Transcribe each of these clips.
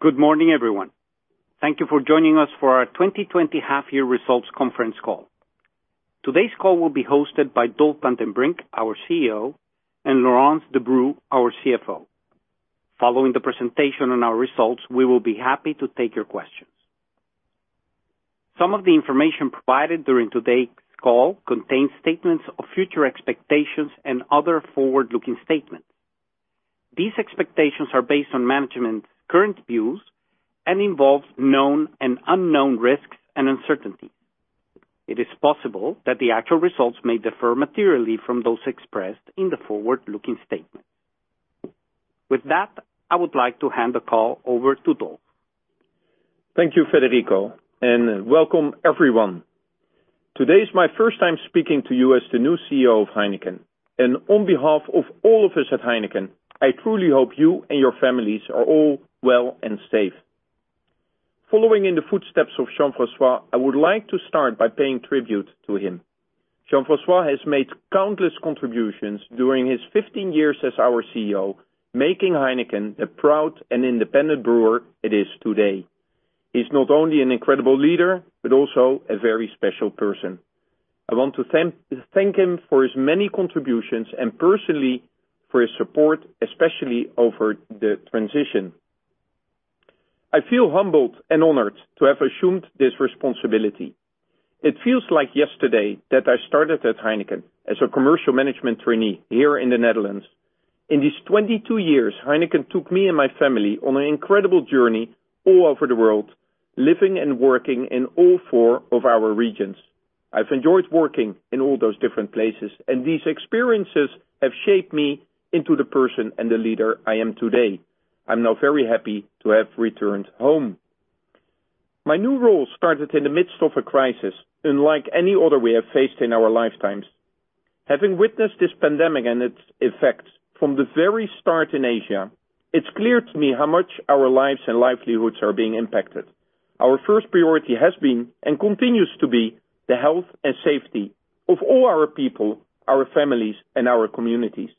Good morning, everyone. Thank you for joining us for our 2020 half year results conference call. Today's call will be hosted by Dolf van den Brink, our CEO, and Laurence Debroux, our CFO. Following the presentation on our results, we will be happy to take your questions. Some of the information provided during today's call contains statements of future expectations and other forward-looking statements. These expectations are based on management's current views and involve known and unknown risks and uncertainties. It is possible that the actual results may differ materially from those expressed in the forward-looking statement. With that, I would like to hand the call over to Dolf. Thank you, Federico. Welcome everyone. Today is my first time speaking to you as the new CEO of Heineken, and on behalf of all of us at Heineken, I truly hope you and your families are all well and safe. Following in the footsteps of Jean-François, I would like to start by paying tribute to him. Jean-François has made countless contributions during his 15 years as our CEO, making Heineken a proud and independent brewer it is today. He's not only an incredible leader, but also a very special person. I want to thank him for his many contributions and personally for his support, especially over the transition. I feel humbled and honored to have assumed this responsibility. It feels like yesterday that I started at Heineken as a commercial management trainee here in the Netherlands. In these 22 years, Heineken took me and my family on an incredible journey all over the world, living and working in all four of our regions. I've enjoyed working in all those different places, and these experiences have shaped me into the person and the leader I am today. I'm now very happy to have returned home. My new role started in the midst of a crisis unlike any other we have faced in our lifetimes. Having witnessed this pandemic and its effects from the very start in Asia, it's clear to me how much our lives and livelihoods are being impacted. Our first priority has been, and continues to be, the health and safety of all our people, our families, and our communities.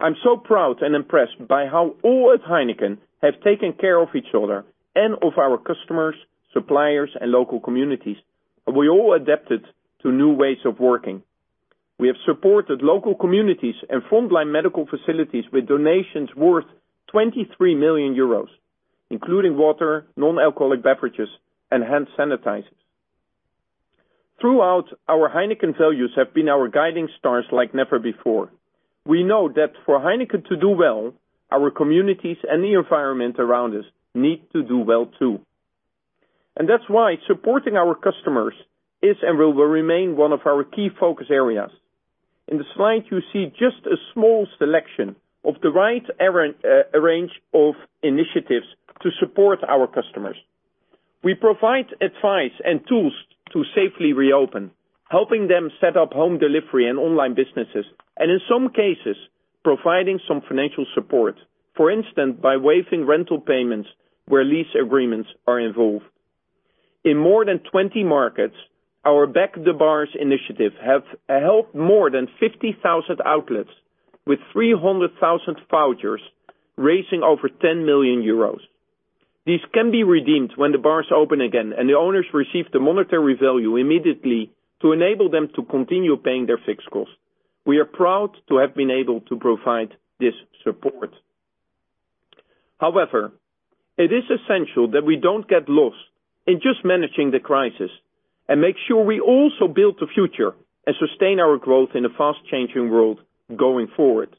I'm so proud and impressed by how all at Heineken have taken care of each other and of our customers, suppliers, and local communities. We all adapted to new ways of working. We have supported local communities and frontline medical facilities with donations worth 23 million euros, including water, non-alcoholic beverages, and hand sanitizers. Throughout, our Heineken values have been our guiding stars like never before. We know that for Heineken to do well, our communities and the environment around us need to do well, too. That's why supporting our customers is and will remain one of our key focus areas. In the slide, you see just a small selection of the wide range of initiatives to support our customers. We provide advice and tools to safely reopen, helping them set up home delivery and online businesses, and in some cases, providing some financial support. For instance, by waiving rental payments where lease agreements are involved. In more than 20 markets, our Back the Bars initiative have helped more than 50,000 outlets with 300,000 vouchers, raising over 10 million euros. These can be redeemed when the bars open again, and the owners receive the monetary value immediately to enable them to continue paying their fixed costs. We are proud to have been able to provide this support. It is essential that we don't get lost in just managing the crisis and make sure we also build the future and sustain our growth in a fast-changing world going forward.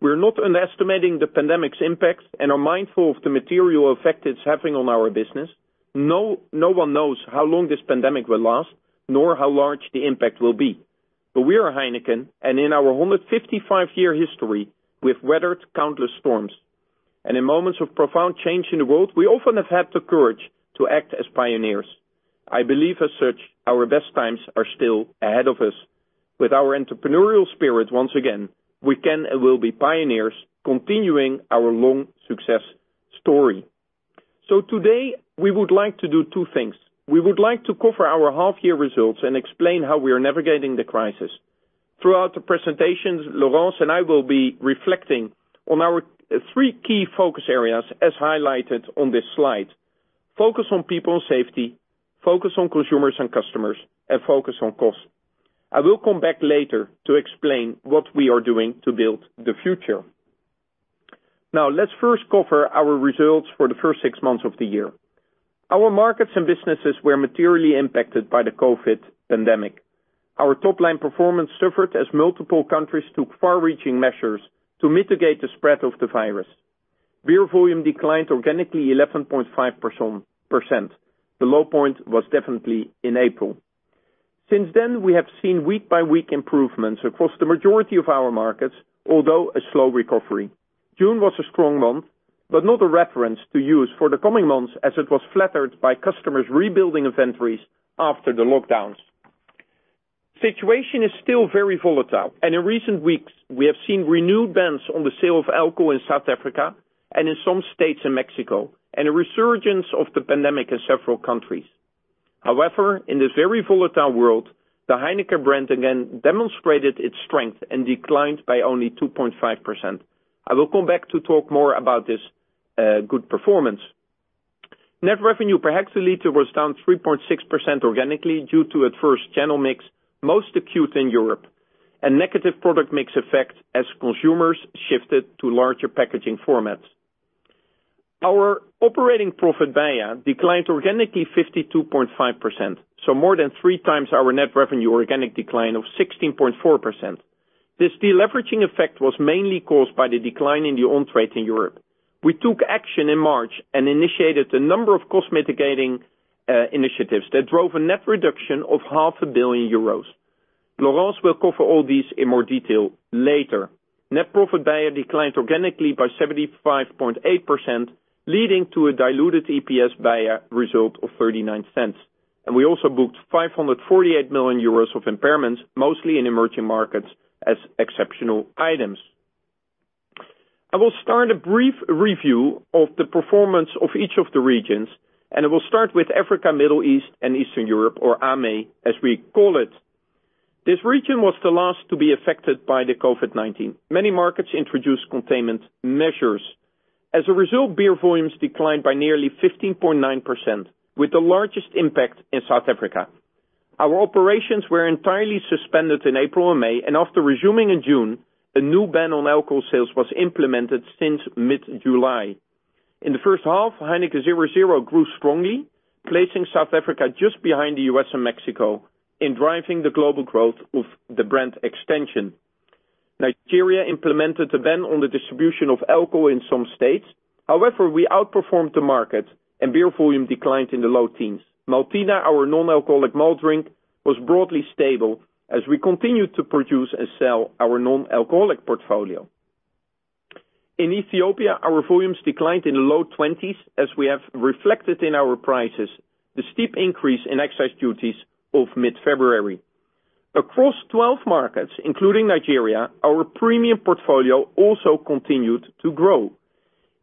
We're not underestimating the pandemic's impact and are mindful of the material effect it's having on our business. No one knows how long this pandemic will last, nor how large the impact will be. We are Heineken, and in our 155-year history, we've weathered countless storms. In moments of profound change in the world, we often have had the courage to act as pioneers. I believe as such, our best times are still ahead of us. With our entrepreneurial spirit once again, we can and will be pioneers, continuing our long success story. Today, we would like to do two things. We would like to cover our half year results and explain how we are navigating the crisis. Throughout the presentations, Laurence and I will be reflecting on our three key focus areas as highlighted on this slide. Focus on people safety, focus on consumers and customers, and focus on cost. I will come back later to explain what we are doing to build the future. Let's first cover our results for the first six months of the year. Our markets and businesses were materially impacted by the COVID pandemic. Our top-line performance suffered as multiple countries took far-reaching measures to mitigate the spread of the virus. Beer volume declined organically 11.5%. The low point was definitely in April. Since then, we have seen week-by-week improvements across the majority of our markets, although a slow recovery. June was a strong month, but not a reference to use for the coming months as it was flattered by customers rebuilding inventories after the lockdowns. Situation is still very volatile, and in recent weeks, we have seen renewed bans on the sale of alcohol in South Africa and in some states in Mexico, and a resurgence of the pandemic in several countries. However, in this very volatile world, the Heineken brand again demonstrated its strength and declined by only 2.5%. I will come back to talk more about this good performance. Net revenue per hectoliter was down 3.6% organically due to adverse channel mix, most acute in Europe. A negative product mix effect as consumers shifted to larger packaging formats. Our operating profit BEIA declined organically 52.5%, more than three times our net revenue organic decline of 16.4%. This deleveraging effect was mainly caused by the decline in the on-trade in Europe. We took action in March and initiated a number of cost-mitigating initiatives that drove a net reduction of half a billion EUR. Laurence will cover all these in more detail later. Net profit BEIA declined organically by 75.8%, leading to a diluted EPS BEIA result of 0.39. We also booked 548 million euros of impairments, mostly in emerging markets, as exceptional items. I will start a brief review of the performance of each of the regions, and I will start with Africa, Middle East, and Eastern Europe or AME, as we call it. This region was the last to be affected by the COVID-19. Many markets introduced containment measures. As a result, beer volumes declined by nearly 15.9%, with the largest impact in South Africa. Our operations were entirely suspended in April and May, and after resuming in June, a new ban on alcohol sales was implemented since mid-July. In the first half, Heineken 0.0 grew strongly, placing South Africa just behind the U.S. and Mexico in driving the global growth of the brand extension. Nigeria implemented a ban on the distribution of alcohol in some states. However, we outperformed the market and beer volume declined in the low teens. Maltina, our non-alcoholic malt drink, was broadly stable as we continued to produce and sell our non-alcoholic portfolio. In Ethiopia, our volumes declined in the low 20s, as we have reflected in our prices the steep increase in excise duties of mid-February. Across 12 markets, including Nigeria, our premium portfolio also continued to grow.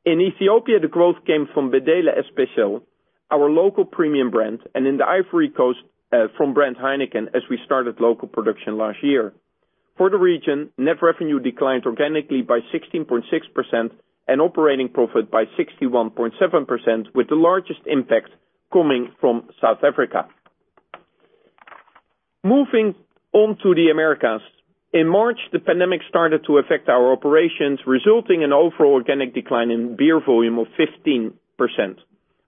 In Ethiopia, the growth came from Bedele Special, our local premium brand, and in the Ivory Coast from brand Heineken as we started local production last year. For the region, net revenue declined organically by 16.6% and operating profit by 61.7%, with the largest impact coming from South Africa. Moving on to the Americas. In March, the pandemic started to affect our operations, resulting in overall organic decline in beer volume of 15%.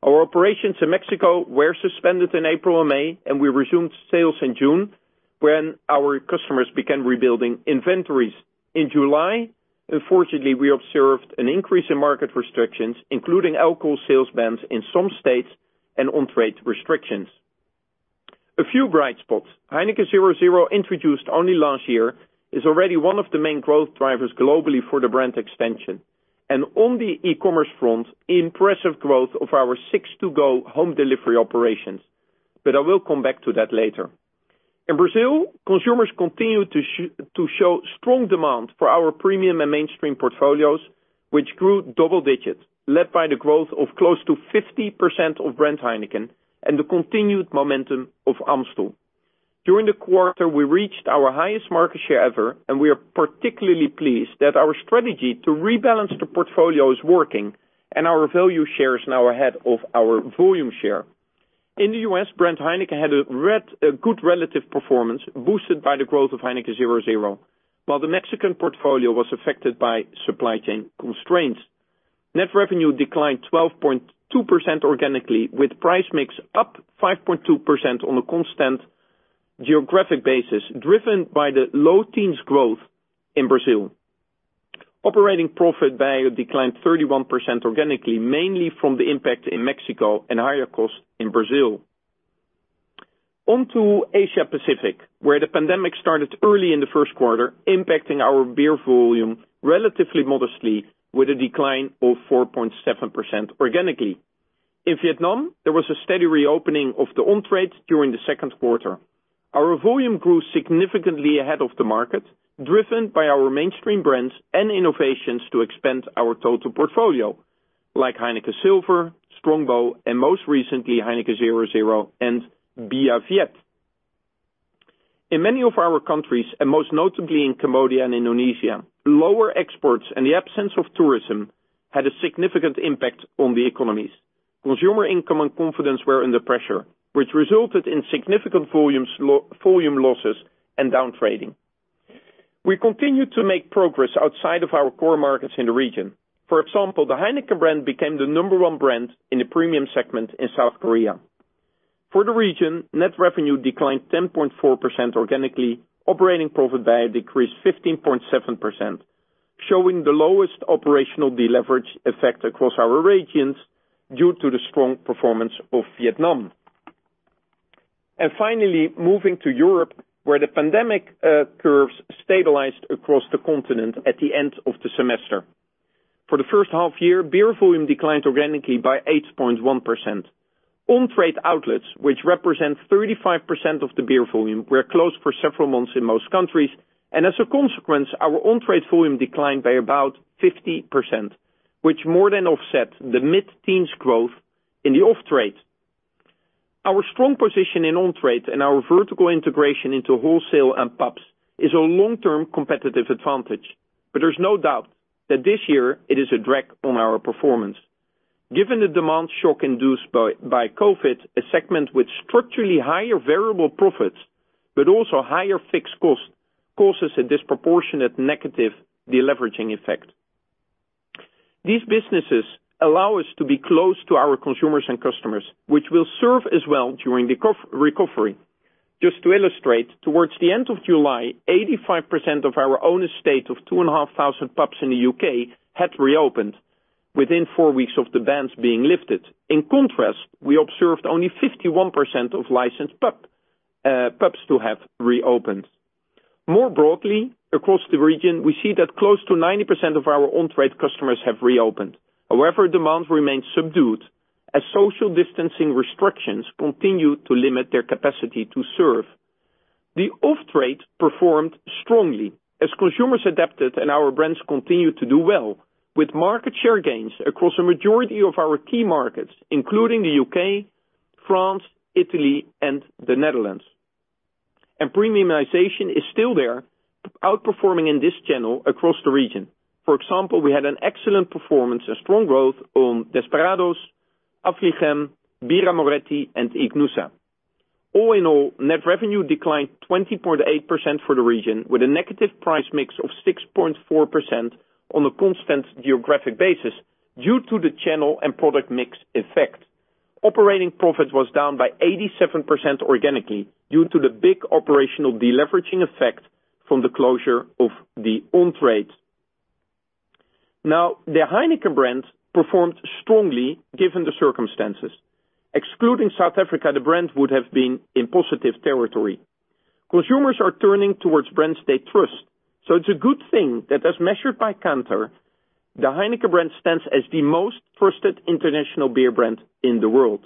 Our operations in Mexico were suspended in April and May, and we resumed sales in June when our customers began rebuilding inventories. In July, unfortunately, we observed an increase in market restrictions, including alcohol sales bans in some states and on-trade restrictions. A few bright spots. Heineken 0.0, introduced only last year, is already one of the main growth drivers globally for the brand extension. On the e-commerce front, impressive growth of our Six2Go home delivery operations. I will come back to that later. In Brazil, consumers continued to show strong demand for our premium and mainstream portfolios, which grew double digits, led by the growth of close to 50% of brand Heineken and the continued momentum of Amstel. During the quarter, we reached our highest market share ever, and we are particularly pleased that our strategy to rebalance the portfolio is working and our value share is now ahead of our volume share. In the U.S., brand Heineken had a good relative performance, boosted by the growth of Heineken 0.0, while the Mexican portfolio was affected by supply chain constraints. Net revenue declined 12.2% organically, with price mix up 5.2% on a constant geographic basis, driven by the low teens growth in Brazil. Operating profit BEIA declined 31% organically, mainly from the impact in Mexico and higher cost in Brazil. On to Asia Pacific, where the pandemic started early in the first quarter, impacting our beer volume relatively modestly with a decline of 4.7% organically. In Vietnam, there was a steady reopening of the on-trade during the second quarter. Our volume grew significantly ahead of the market, driven by our mainstream brands and innovations to expand our total portfolio, like Heineken Silver, Strongbow, and most recently, Heineken 0.0 and Bia Viet. In many of our countries, and most notably in Cambodia and Indonesia, lower exports and the absence of tourism had a significant impact on the economies. Consumer income and confidence were under pressure, which resulted in significant volume losses and down-trading. We continued to make progress outside of our core markets in the region. For example, the Heineken brand became the number one brand in the premium segment in South Korea. For the region, net revenue declined 10.4% organically. Operating profit BEIA decreased 15.7%, showing the lowest operational deleverage effect across our regions due to the strong performance of Vietnam. Finally, moving to Europe, where the pandemic curves stabilized across the continent at the end of the semester. For the first half year, beer volume declined organically by 8.1%. On-trade outlets, which represent 35% of the beer volume, were closed for several months in most countries, and as a consequence, our on-trade volume declined by about 50%, which more than offset the mid-teens growth in the off-trade. Our strong position in on-trade and our vertical integration into wholesale and pubs is a long-term competitive advantage, but there's no doubt that this year it is a drag on our performance. Given the demand shock induced by COVID, a segment with structurally higher variable profits but also higher fixed cost, causes a disproportionate negative de-leveraging effect. These businesses allow us to be close to our consumers and customers, which will serve us well during the recovery. Just to illustrate, towards the end of July, 85% of our own estate of 2,500 pubs in the U.K. had reopened within four weeks of the bans being lifted. In contrast, we observed only 51% of licensed pubs to have reopened. More broadly, across the region, we see that close to 90% of our on-trade customers have reopened. Demand remains subdued as social distancing restrictions continue to limit their capacity to serve. The off-trade performed strongly as consumers adapted and our brands continued to do well, with market share gains across a majority of our key markets, including the U.K., France, Italy, and the Netherlands. Premiumization is still there, outperforming in this channel across the region. For example, we had an excellent performance and strong growth on Desperados, Affligem, Birra Moretti, and Ichnusa. All in all, net revenue declined 20.8% for the region, with a negative price mix of 6.4% on a constant geographic basis due to the channel and product mix effect. Operating profit was down by 87% organically due to the big operational deleveraging effect from the closure of the on-trade. The Heineken brand performed strongly given the circumstances. Excluding South Africa, the brand would have been in positive territory. Consumers are turning towards brands they trust, so it's a good thing that as measured by Kantar, the Heineken brand stands as the most trusted international beer brand in the world.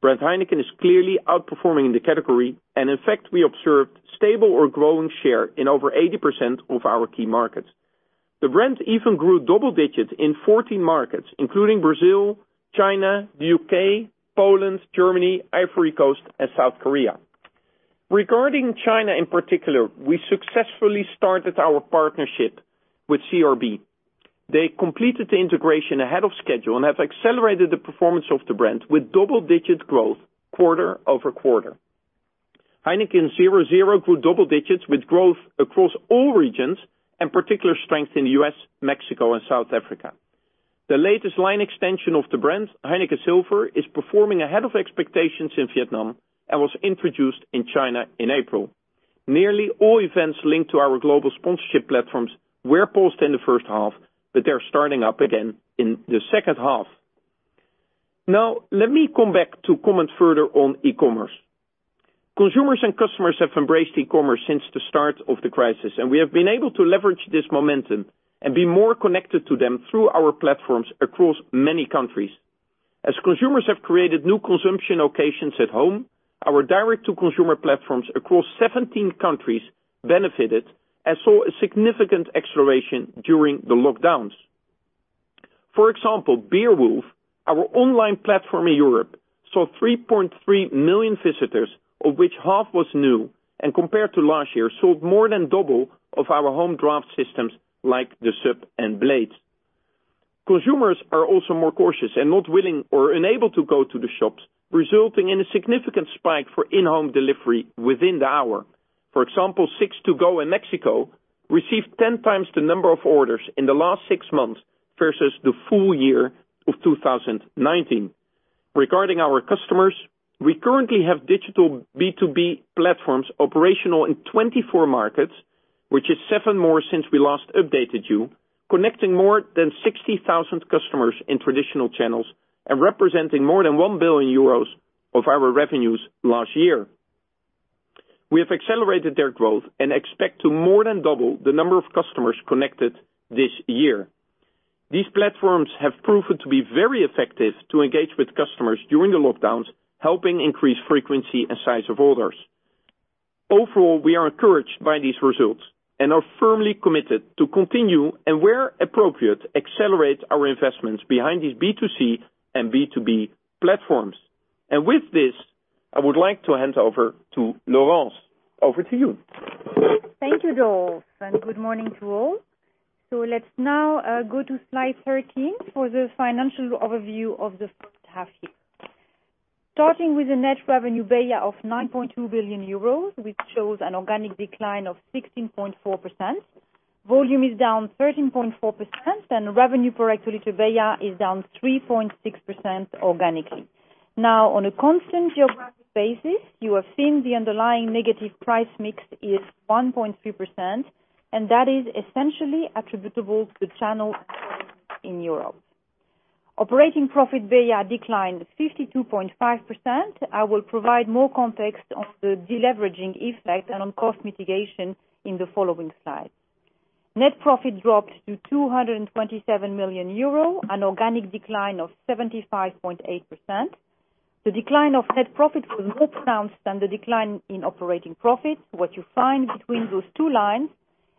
Brand Heineken is clearly outperforming in the category, and in fact, we observed stable or growing share in over 80% of our key markets. The brand even grew double digits in 14 markets, including Brazil, China, the U.K., Poland, Germany, Ivory Coast, and South Korea. Regarding China in particular, we successfully started our partnership with CRB. They completed the integration ahead of schedule and have accelerated the performance of the brand with double-digit growth quarter-over-quarter. Heineken 0.0 grew double digits with growth across all regions and particular strength in the U.S., Mexico, and South Africa. The latest line extension of the brand, Heineken Silver, is performing ahead of expectations in Vietnam and was introduced in China in April. Nearly all events linked to our global sponsorship platforms were paused in the first half, but they're starting up again in the second half. Let me come back to comment further on e-commerce. Consumers and customers have embraced e-commerce since the start of the crisis, and we have been able to leverage this momentum and be more connected to them through our platforms across many countries. As consumers have created new consumption occasions at home, our direct-to-consumer platforms across 17 countries benefited and saw a significant acceleration during the lockdowns. For example, Beerwulf, our online platform in Europe, saw 3.3 million visitors, of which half was new, and compared to last year, sold more than double of our home draft systems like The Sub and Blade. Consumers are also more cautious and not willing or unable to go to the shops, resulting in a significant spike for in-home delivery within the hour. For example, 6ToGo in Mexico received 10x the number of orders in the last six months versus the full year of 2019. Regarding our customers, we currently have digital B2B platforms operational in 24 markets, which is seven more since we last updated you, connecting more than 60,000 customers in traditional channels and representing more than 1 billion euros of our revenues last year. We have accelerated their growth and expect to more than double the number of customers connected this year. These platforms have proven to be very effective to engage with customers during the lockdowns, helping increase frequency and size of orders. Overall, we are encouraged by these results and are firmly committed to continue, and where appropriate, accelerate our investments behind these B2C and B2B platforms. With this, I would like to hand over to Laurence. Over to you. Thank you, Dolf. Good morning to all. Let's now go to slide 13 for the financial overview of the first half year. Starting with a net revenue BEIA of 9.2 billion euros, which shows an organic decline of 16.4%. Volume is down 13.4%, and revenue per hectolitre beer is down 3.6% organically. On a constant geographic basis, you have seen the underlying negative price mix is 1.3%, and that is essentially attributable to channel in Europe. Operating profit BEIA declined 52.5%. I will provide more context on the deleveraging effect and on cost mitigation in the following slide. Net profit dropped to 227 million euro, an organic decline of 75.8%. The decline of net profit was more pronounced than the decline in operating profit. What you find between those two lines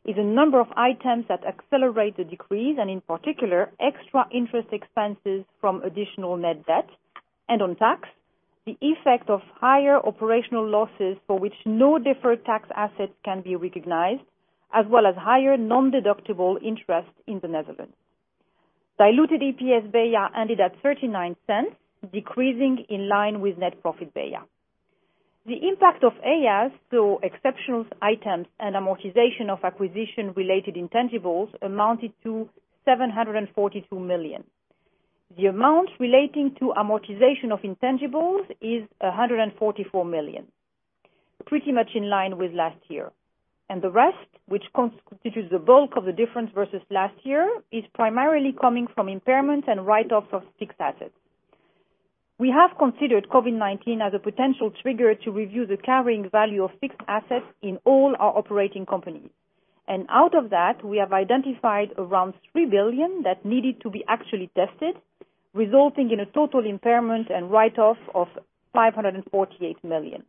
is a number of items that accelerate the decrease, and in particular, extra interest expenses from additional net debt. On tax, the effect of higher operational losses for which no deferred tax assets can be recognized, as well as higher nondeductible interest in the Netherlands. Diluted EPS BEIA ended at 0.39, decreasing in line with net profit BEIA. The impact of EIA, so exceptional items and amortization of acquisition related intangibles, amounted to 742 million. The amount relating to amortization of intangibles is 144 million. Pretty much in line with last year. The rest, which constitutes the bulk of the difference versus last year, is primarily coming from impairment and write-off of fixed assets. We have considered COVID-19 as a potential trigger to review the carrying value of fixed assets in all our operating companies. Out of that, we have identified around 3 billion that needed to be actually tested, resulting in a total impairment and write-off of 548 million.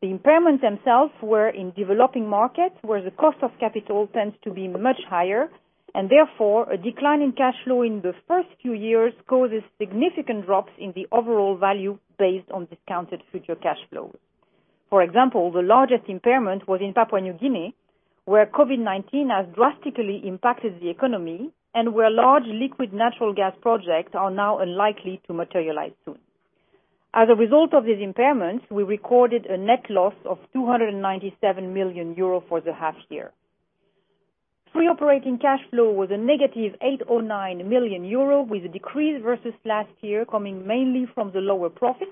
The impairments themselves were in developing markets, where the cost of capital tends to be much higher, and therefore, a decline in cash flow in the first few years causes significant drops in the overall value based on discounted future cash flow. For example, the largest impairment was in Papua New Guinea, where COVID-19 has drastically impacted the economy and where large liquid natural gas projects are now unlikely to materialize soon. As a result of these impairments, we recorded a net loss of 297 million euro for the half year. Free operating cash flow was a negative 809 million euro, with a decrease versus last year coming mainly from the lower profit,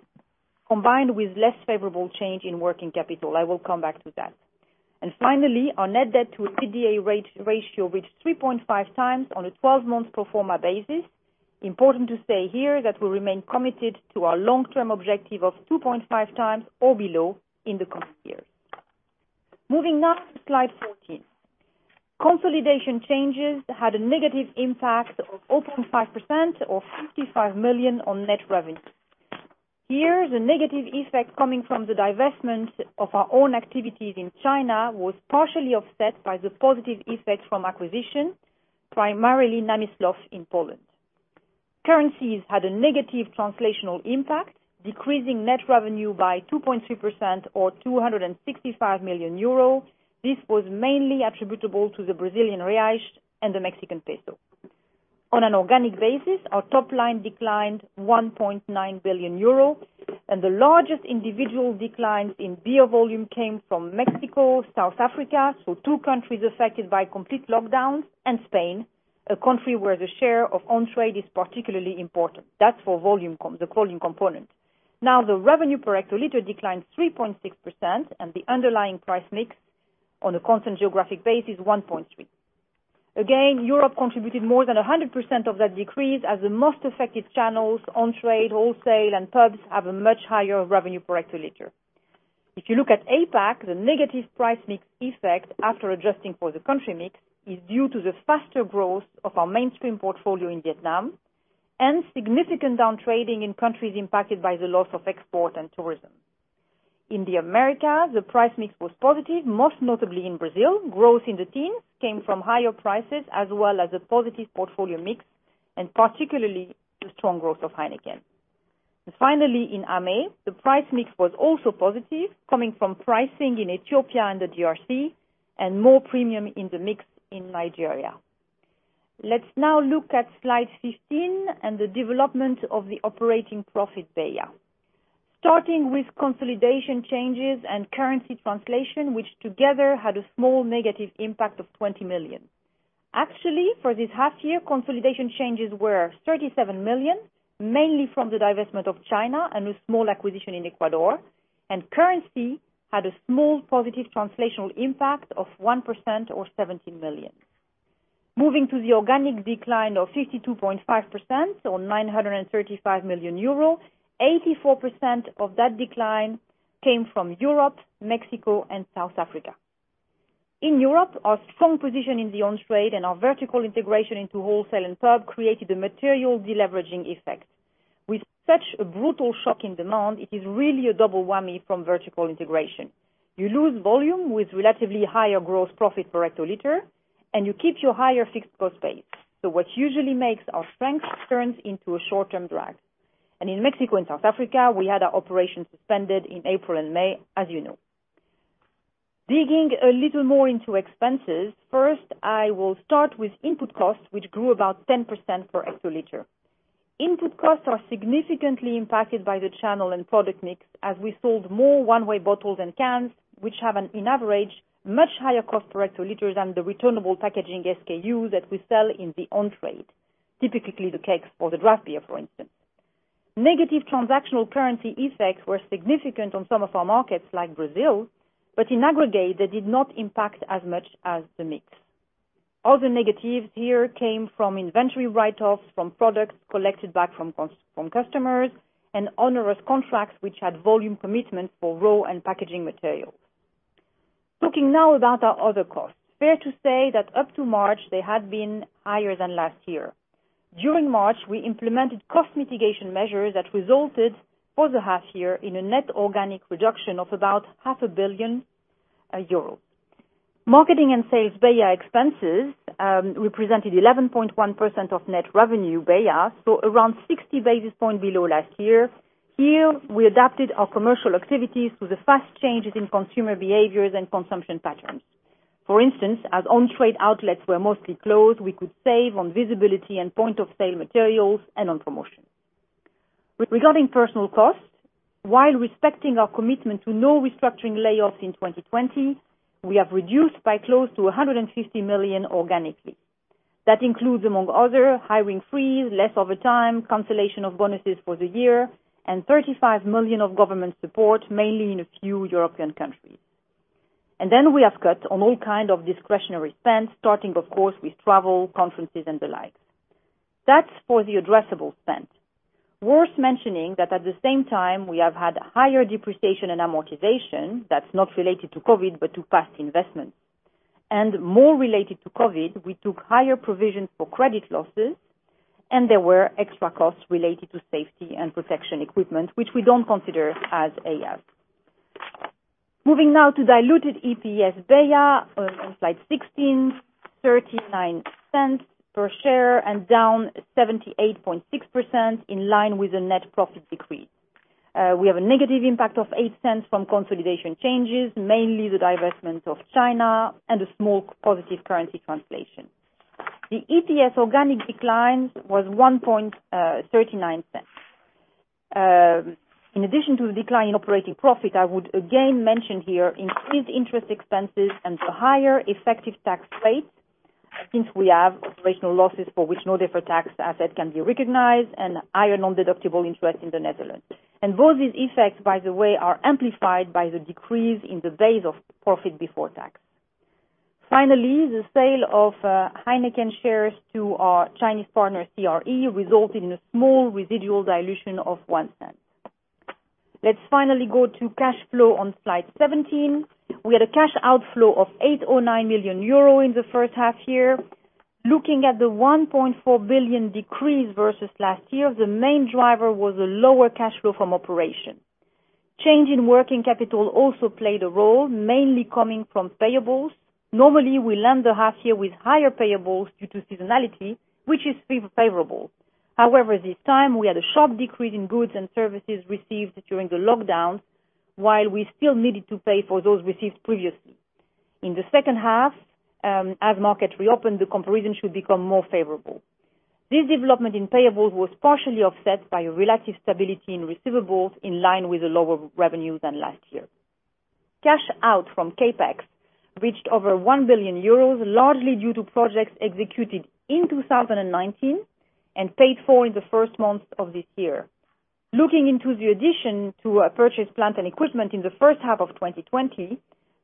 combined with less favorable change in working capital. I will come back to that. Finally, our net debt to EBITDA ratio reached 3.5x on a 12-month pro forma basis. Important to say here that we remain committed to our long-term objective of 2.5x or below in the coming years. Moving now to slide 14. Consolidation changes had a negative impact of 0.5% or 55 million on net revenue. Here, the negative effect coming from the divestment of our own activities in China was partially offset by the positive effect from acquisition, primarily Namysłów in Poland. Currencies had a negative translational impact, decreasing net revenue by 2.3% or 265 million euro. This was mainly attributable to the Brazilian reais and the Mexican peso. On an organic basis, our top line declined 1.9 billion euro, and the largest individual decline in beer volume came from Mexico, South Africa, so two countries affected by complete lockdowns, and Spain, a country where the share of on-trade is particularly important. That's for the volume component. The revenue per hectoliter declined 3.6%, and the underlying price mix on a constant geographic base is 1.3. Again, Europe contributed more than 100% of that decrease as the most affected channels, on-trade, wholesale, and pubs, have a much higher revenue per hectoliter. If you look at APAC, the negative price mix effect after adjusting for the country mix is due to the faster growth of our mainstream portfolio in Vietnam and significant downtrading in countries impacted by the loss of export and tourism. In the Americas, the price mix was positive, most notably in Brazil. Growth in the teens came from higher prices as well as a positive portfolio mix, and particularly the strong growth of Heineken. Finally in AME, the price mix was also positive, coming from pricing in Ethiopia and the DRC and more premium in the mix in Nigeria. Let's now look at slide 15 and the development of the operating profit BEIA. Starting with consolidation changes and currency translation, which together had a small negative impact of 20 million. Actually, for this half year, consolidation changes were 37 million, mainly from the divestment of China and a small acquisition in Ecuador, and currency had a small positive translational impact of 1% or 17 million. Moving to the organic decline of 52.5% or 935 million euro, 84% of that decline came from Europe, Mexico, and South Africa. In Europe, our strong position in the on-trade and our vertical integration into wholesale and pub created a material de-leveraging effect. With such a brutal shock in demand, it is really a double whammy from vertical integration. You lose volume with relatively higher gross profit per hectoliter, and you keep your higher fixed costs base. What usually makes our strengths turns into a short-term drag. In Mexico and South Africa, we had our operations suspended in April and May, as you know. Digging a little more into expenses, first, I will start with input costs, which grew about 10% per hectoliter. Input costs are significantly impacted by the channel and product mix, as we sold more one-way bottles than cans, which have on average much higher cost per hectoliter than the returnable packaging SKU that we sell in the on-trade, typically the kegs or the draft beer, for instance. Negative transactional currency effects were significant on some of our markets like Brazil, but in aggregate, they did not impact as much as the mix. Other negatives here came from inventory write-offs from products collected back from customers and onerous contracts which had volume commitments for raw and packaging materials. Talking now about our other costs. Fair to say that up to March, they had been higher than last year. During March, we implemented cost mitigation measures that resulted, for the half year, in a net organic reduction of about 0.5 billion euros. Marketing and sales BEIA expenses represented 11.1% of net revenue BEIA, so around 60 basis points below last year. Here, we adapted our commercial activities to the fast changes in consumer behaviors and consumption patterns. For instance, as on-trade outlets were mostly closed, we could save on visibility and point-of-sale materials and on promotion. Regarding personal costs, while respecting our commitment to no restructuring layoffs in 2020, we have reduced by close to 150 million organically. That includes, among other, hiring freeze, less overtime, cancellation of bonuses for the year, and 35 million of government support, mainly in a few European countries. Then we have cut on all kind of discretionary spend, starting of course with travel, conferences, and the like. That's for the addressable spend. Worth mentioning that at the same time, we have had higher depreciation and amortization that's not related to COVID-19, but to past investments. More related to COVID-19, we took higher provisions for credit losses, and there were extra costs related to safety and protection equipment, which we don't consider as EIA. Moving now to diluted EPS BEIA on slide 16, 0.39 per share and down 78.6% in line with the net profit decrease. We have a negative impact of 0.08 from consolidation changes, mainly the divestment of China and a small positive currency translation. The EPS organic decline was 1.39. In addition to the decline in operating profit, I would again mention here increased interest expenses and a higher effective tax rate since we have operational losses for which no deferred tax asset can be recognized, and higher non-deductible interest in the Netherlands. Both these effects, by the way, are amplified by the decrease in the base of profit before tax. Finally, the sale of Heineken shares to our Chinese partner, CRE, resulted in a small residual dilution of 0.01. Let's finally go to cash flow on slide 17. We had a cash outflow of 809 million euro in the first half year. Looking at the 1.4 billion decrease versus last year, the main driver was a lower cash flow from operation. Change in working capital also played a role, mainly coming from payables. Normally, we land the half year with higher payables due to seasonality, which is favorable. However, this time we had a sharp decrease in goods and services received during the lockdown while we still needed to pay for those received previously. In the second half, as markets reopen, the comparison should become more favorable. This development in payables was partially offset by a relative stability in receivables in line with the lower revenue than last year. Cash out from CapEx reached over 1 billion euros, largely due to projects executed in 2019 and paid for in the first months of this year. Looking into the addition to a purchase plant and equipment in the first half of 2020,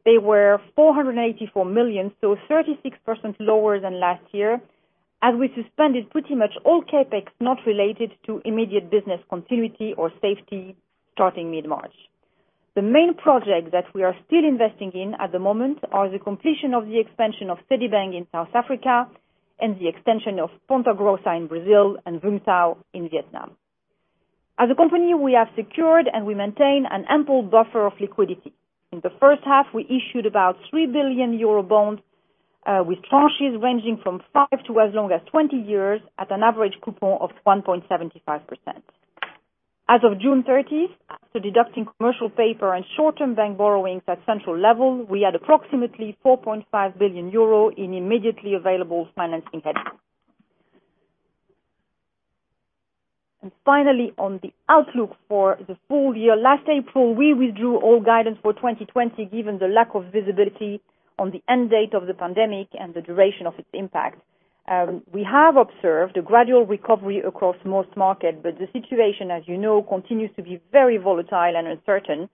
they were 484 million, 36% lower than last year, as we suspended pretty much all CapEx not related to immediate business continuity or safety starting mid-March. The main project that we are still investing in at the moment are the completion of the expansion of Sedibeng in South Africa and the extension of Ponta Grossa in Brazil and Vung Tau in Vietnam. As a company, we have secured, and we maintain an ample buffer of liquidity. In the first half, we issued about 3 billion euro bonds, with tranches ranging from five to as long as 20 years at an average coupon of 1.75%. As of June 30th, after deducting commercial paper and short-term bank borrowings at central level, we had approximately 4.5 billion euro in immediately available financing headroom. Finally, on the outlook for the full year. Last April, we withdrew all guidance for 2020 given the lack of visibility on the end date of the pandemic and the duration of its impact. We have observed a gradual recovery across most markets, the situation, as you know, continues to be very volatile and uncertain.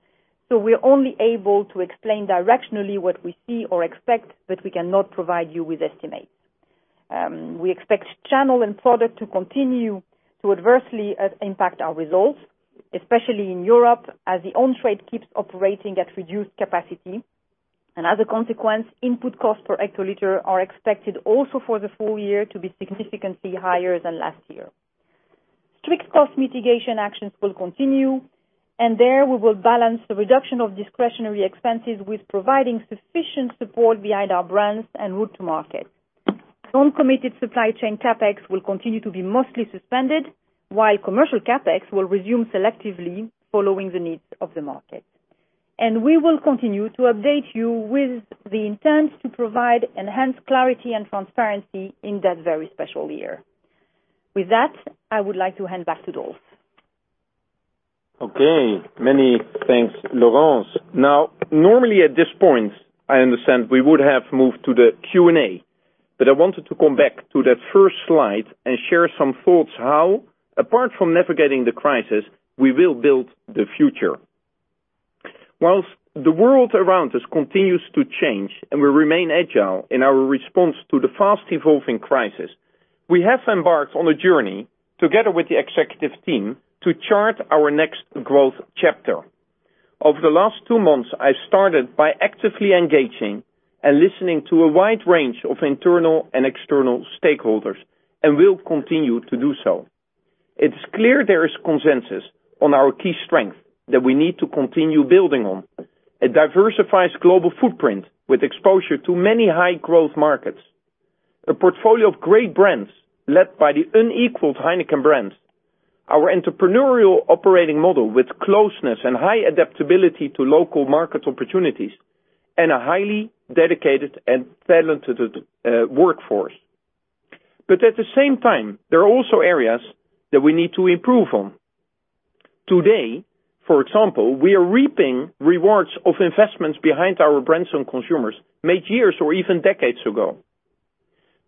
We're only able to explain directionally what we see or expect, we cannot provide you with estimates. We expect channel and product to continue to adversely impact our results, especially in Europe, as the on-trade keeps operating at reduced capacity. As a consequence, input costs per hectoliter are expected also for the full year to be significantly higher than last year. Strict cost mitigation actions will continue, and there we will balance the reduction of discretionary expenses with providing sufficient support behind our brands and route to market. Non-committed supply chain CapEx will continue to be mostly suspended, while commercial CapEx will resume selectively following the needs of the market. We will continue to update you with the intent to provide enhanced clarity and transparency in that very special year. With that, I would like to hand back to Dolf. Okay, many thanks Laurence. Normally at this point, I understand we would have moved to the Q&A, but I wanted to come back to that first slide and share some thoughts how, apart from navigating the crisis, we will build the future. Whilst the world around us continues to change and we remain agile in our response to the fast-evolving crisis. We have embarked on a journey together with the executive team to chart our next growth chapter. Over the last two months, I've started by actively engaging and listening to a wide range of internal and external stakeholders, and will continue to do so. It's clear there is consensus on our key strength that we need to continue building on. A diversifies global footprint with exposure to many high growth markets, a portfolio of great brands led by the unequaled Heineken brands, our entrepreneurial operating model with closeness and high adaptability to local market opportunities, and a highly dedicated and talented workforce. At the same time, there are also areas that we need to improve on. Today, for example, we are reaping rewards of investments behind our brands and consumers made years or even decades ago.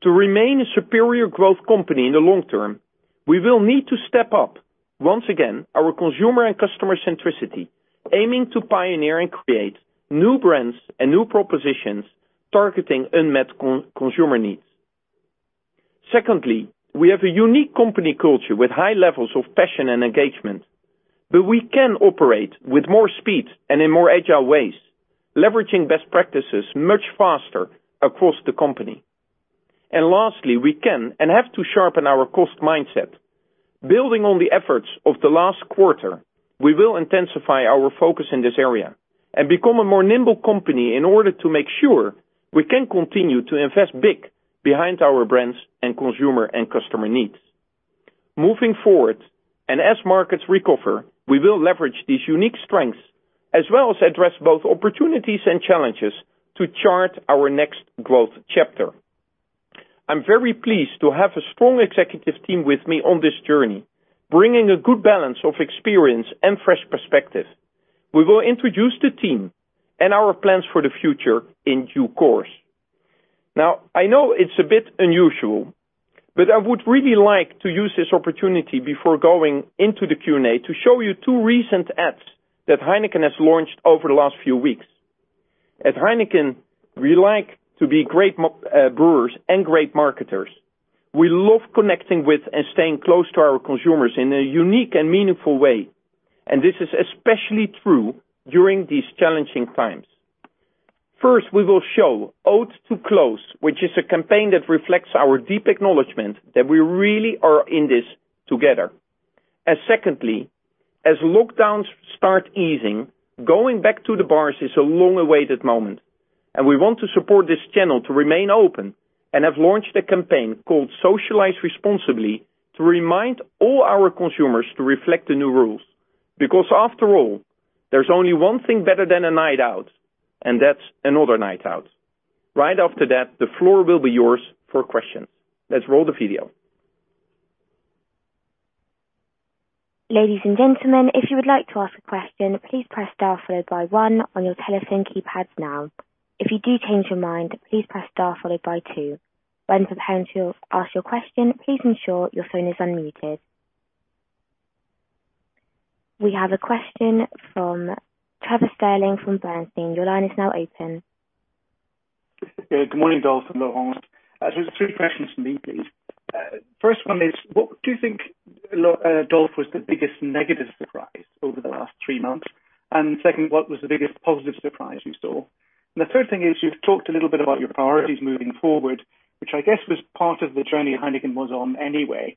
To remain a superior growth company in the long term, we will need to step up, once again, our consumer and customer centricity, aiming to pioneer and create new brands and new propositions targeting unmet consumer needs. Secondly, we have a unique company culture with high levels of passion and engagement, but we can operate with more speed and in more agile ways, leveraging best practices much faster across the company. Lastly, we can and have to sharpen our cost mindset. Building on the efforts of the last quarter, we will intensify our focus in this area and become a more nimble company in order to make sure we can continue to invest big behind our brands and consumer and customer needs. Moving forward, and as markets recover, we will leverage these unique strengths, as well as address both opportunities and challenges to chart our next growth chapter. I'm very pleased to have a strong executive team with me on this journey, bringing a good balance of experience and fresh perspective. We will introduce the team and our plans for the future in due course. Now, I know it's a bit unusual, but I would really like to use this opportunity before going into the Q&A to show you two recent ads that Heineken has launched over the last few weeks. At Heineken, we like to be great brewers and great marketers. We love connecting with and staying close to our consumers in a unique and meaningful way, and this is especially true during these challenging times. First, we will show Ode to Close, which is a campaign that reflects our deep acknowledgment that we really are in this together. Secondly, as lockdowns start easing, going back to the bars is a long-awaited moment, and we want to support this channel to remain open and have launched a campaign called Socialize Responsibly to remind all our consumers to reflect the new rules, because after all, there's only one thing better than a night out, and that's another night out. Right after that, the floor will be yours for questions. Let's roll the video. Ladies and gentlemen, if you would like to ask a question, please press star followed by one on your telephone keypads now. If you do change your mind, please press star followed by two. When preparing to ask your question, please ensure your phone is unmuted. We have a question from Trevor Stirling from Bernstein. Your line is now open. Good morning, Dolf and Laurence. It's three questions from me, please. First one is, what do you think, Dolf, was the biggest negative surprise over the last three months? Second, what was the biggest positive surprise you saw? The third thing is, you've talked a little bit about your priorities moving forward, which I guess was part of the journey Heineken was on anyway.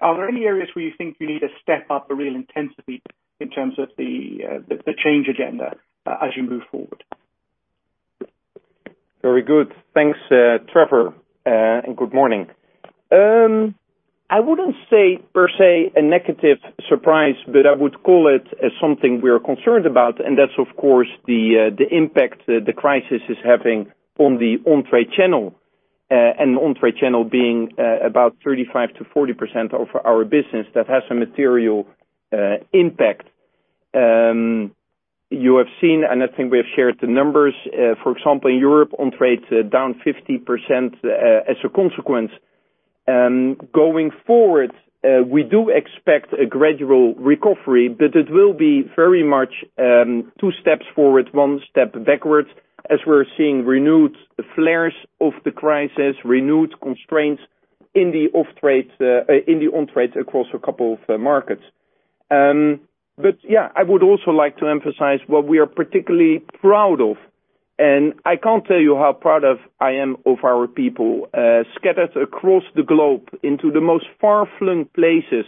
Are there any areas where you think you need to step up the real intensity in terms of the change agenda as you move forward? Very good. Thanks, Trevor. Good morning. I wouldn't say, per se, a negative surprise, but I would call it as something we're concerned about, and that's, of course, the impact the crisis is having on the on-trade channel. On-trade channel being about 35%-40% of our business, that has a material impact. You have seen, and I think we have shared the numbers, for example, in Europe, on-trade's down 50% as a consequence. Going forward, we do expect a gradual recovery, but it will be very much two steps forward, one step backwards, as we're seeing renewed flares of the crisis, renewed constraints in the on-trade across a couple of markets. Yeah, I would also like to emphasize what we are particularly proud of, and I can't tell you how proud of I am of our people scattered across the globe into the most far-flung places.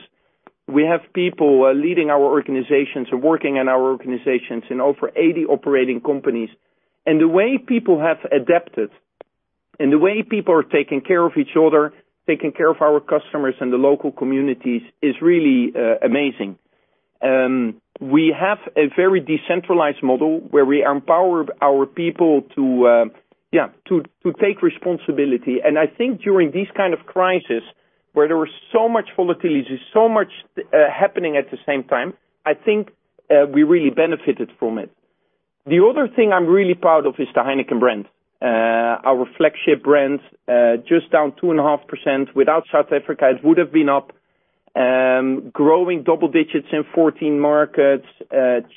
We have people leading our organizations or working in our organizations in over 80 operating companies. The way people have adapted and the way people are taking care of each other, taking care of our customers and the local communities is really amazing. We have a very decentralized model where we empower our people to take responsibility. I think during this kind of crisis, where there was so much volatility, so much happening at the same time, I think we really benefited from it. The other thing I'm really proud of is the Heineken brand. Our flagship brand's just down 2.5%. Without South Africa, it would have been up and growing double digits in 14 markets.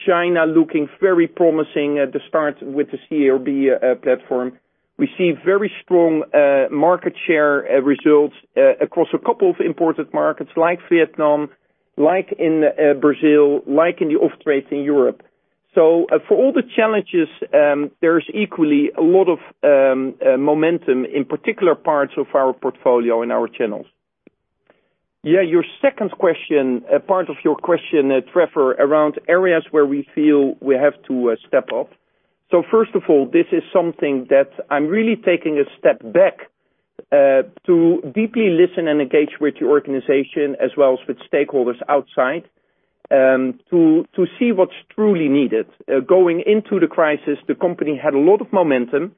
China looking very promising at the start with the CRB platform. We see very strong market share results across a couple of important markets like Vietnam, like in Brazil, like in the off-trade in Europe. For all the challenges, there is equally a lot of momentum in particular parts of our portfolio and our channels. Your second question, part of your question, Trevor, around areas where we feel we have to step up. First of all, this is something that I'm really taking a step back, to deeply listen and engage with the organization as well as with stakeholders outside, to see what's truly needed. Going into the crisis, the company had a lot of momentum.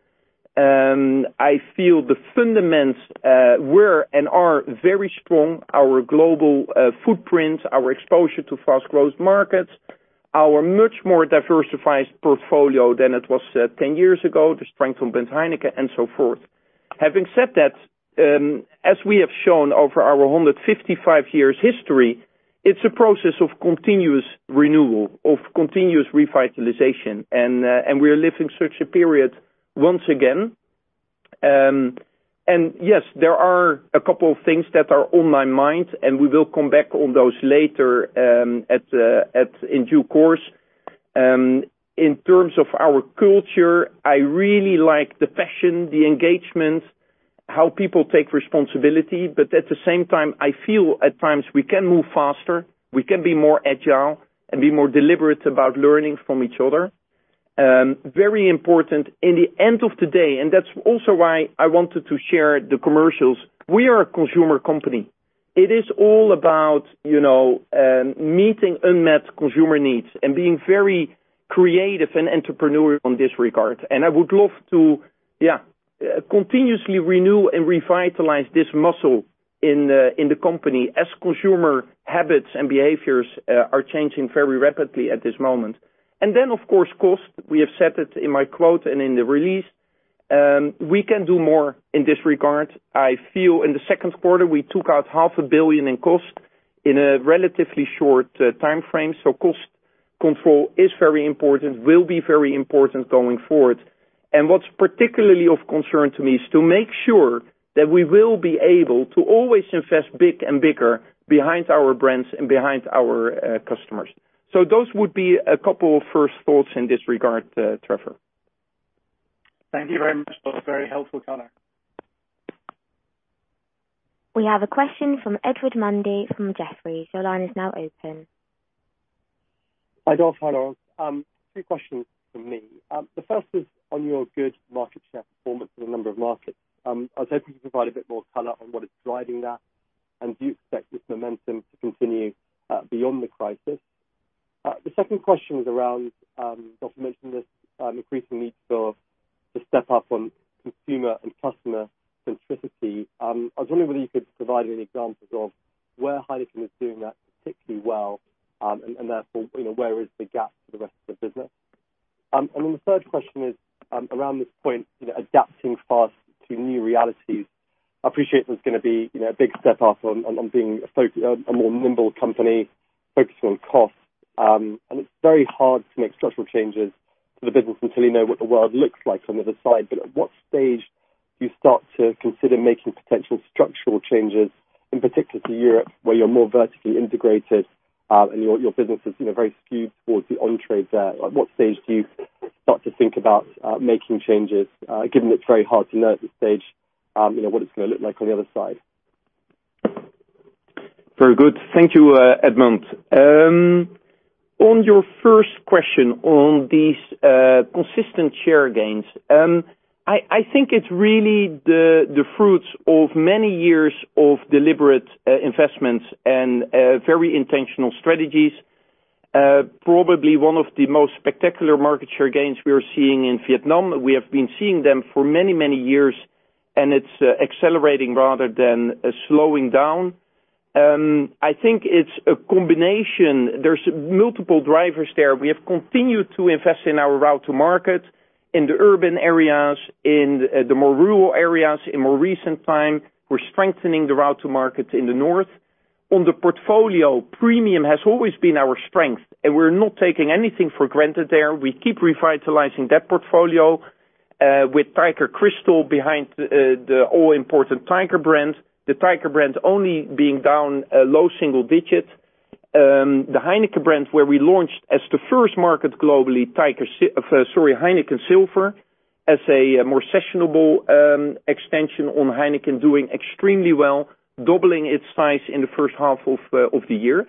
I feel the fundamentals were, and are very strong. Our global footprint, our exposure to fast growth markets, our much more diversified portfolio than it was 10 years ago, the strength of Brand Heineken, and so forth. Having said that, as we have shown over our 155 years history, it's a process of continuous renewal, of continuous revitalization. We are living such a period once again. Yes, there are a couple of things that are on my mind, and we will come back on those later in due course. In terms of our culture, I really like the passion, the engagement, how people take responsibility. At the same time, I feel at times we can move faster, we can be more agile, and be more deliberate about learning from each other. Very important in the end of the day, and that's also why I wanted to share the commercials. We are a consumer company. It is all about meeting unmet consumer needs and being very creative and entrepreneurial in this regard. I would love to continuously renew and revitalize this muscle in the company as consumer habits and behaviors are changing very rapidly at this moment. Then, of course, cost. We have said it in my quote and in the release, we can do more in this regard. I feel in the second quarter, we took out 0.5 billion in cost in a relatively short time frame. Cost control is very important, will be very important going forward. What's particularly of concern to me is to make sure that we will be able to always invest big and bigger behind our brands and behind our customers. Those would be a couple of first thoughts in this regard, Trevor. Thank you very much, Dolf. Very helpful color. We have a question from Edward Mundy from Jefferies. Your line is now open. Hi, Dolf, hello. Two questions from me. The first is on your good market share performance in a number of markets. I was hoping you could provide a bit more color on what is driving that, and do you expect this momentum to continue beyond the crisis? The second question was around, Dolf mentioned this increasing need for the step up on consumer and customer centricity. I was wondering whether you could provide any examples of where Heineken is doing that particularly well, and therefore, where is the gap for the rest of the business? The third question is around this point, adapting fast to new realities. I appreciate there's going to be a big step up on being a more nimble company focusing on cost. It's very hard to make structural changes to the business until you know what the world looks like on the other side. At what stage do you start to consider making potential structural changes, in particular to Europe, where you're more vertically integrated, and your business is very skewed towards the on-trade there. At what stage do you start to think about making changes, given it's very hard to know at this stage what it's going to look like on the other side? Very good. Thank you, Edward. On your first question on these consistent share gains, I think it's really the fruits of many years of deliberate investments and very intentional strategies. Probably one of the most spectacular market share gains we are seeing in Vietnam. We have been seeing them for many, many years, and it's accelerating rather than slowing down. I think it's a combination. There's multiple drivers there. We have continued to invest in our route to market in the urban areas, in the more rural areas. In more recent time, we're strengthening the route to market in the north. On the portfolio, premium has always been our strength, and we're not taking anything for granted there. We keep revitalizing that portfolio, with Tiger Crystal behind the all-important Tiger brand, the Tiger brand only being down a low single digit. The Heineken brand, where we launched as the first market globally, Heineken Silver as a more sessionable extension on Heineken doing extremely well, doubling its size in the first half of the year.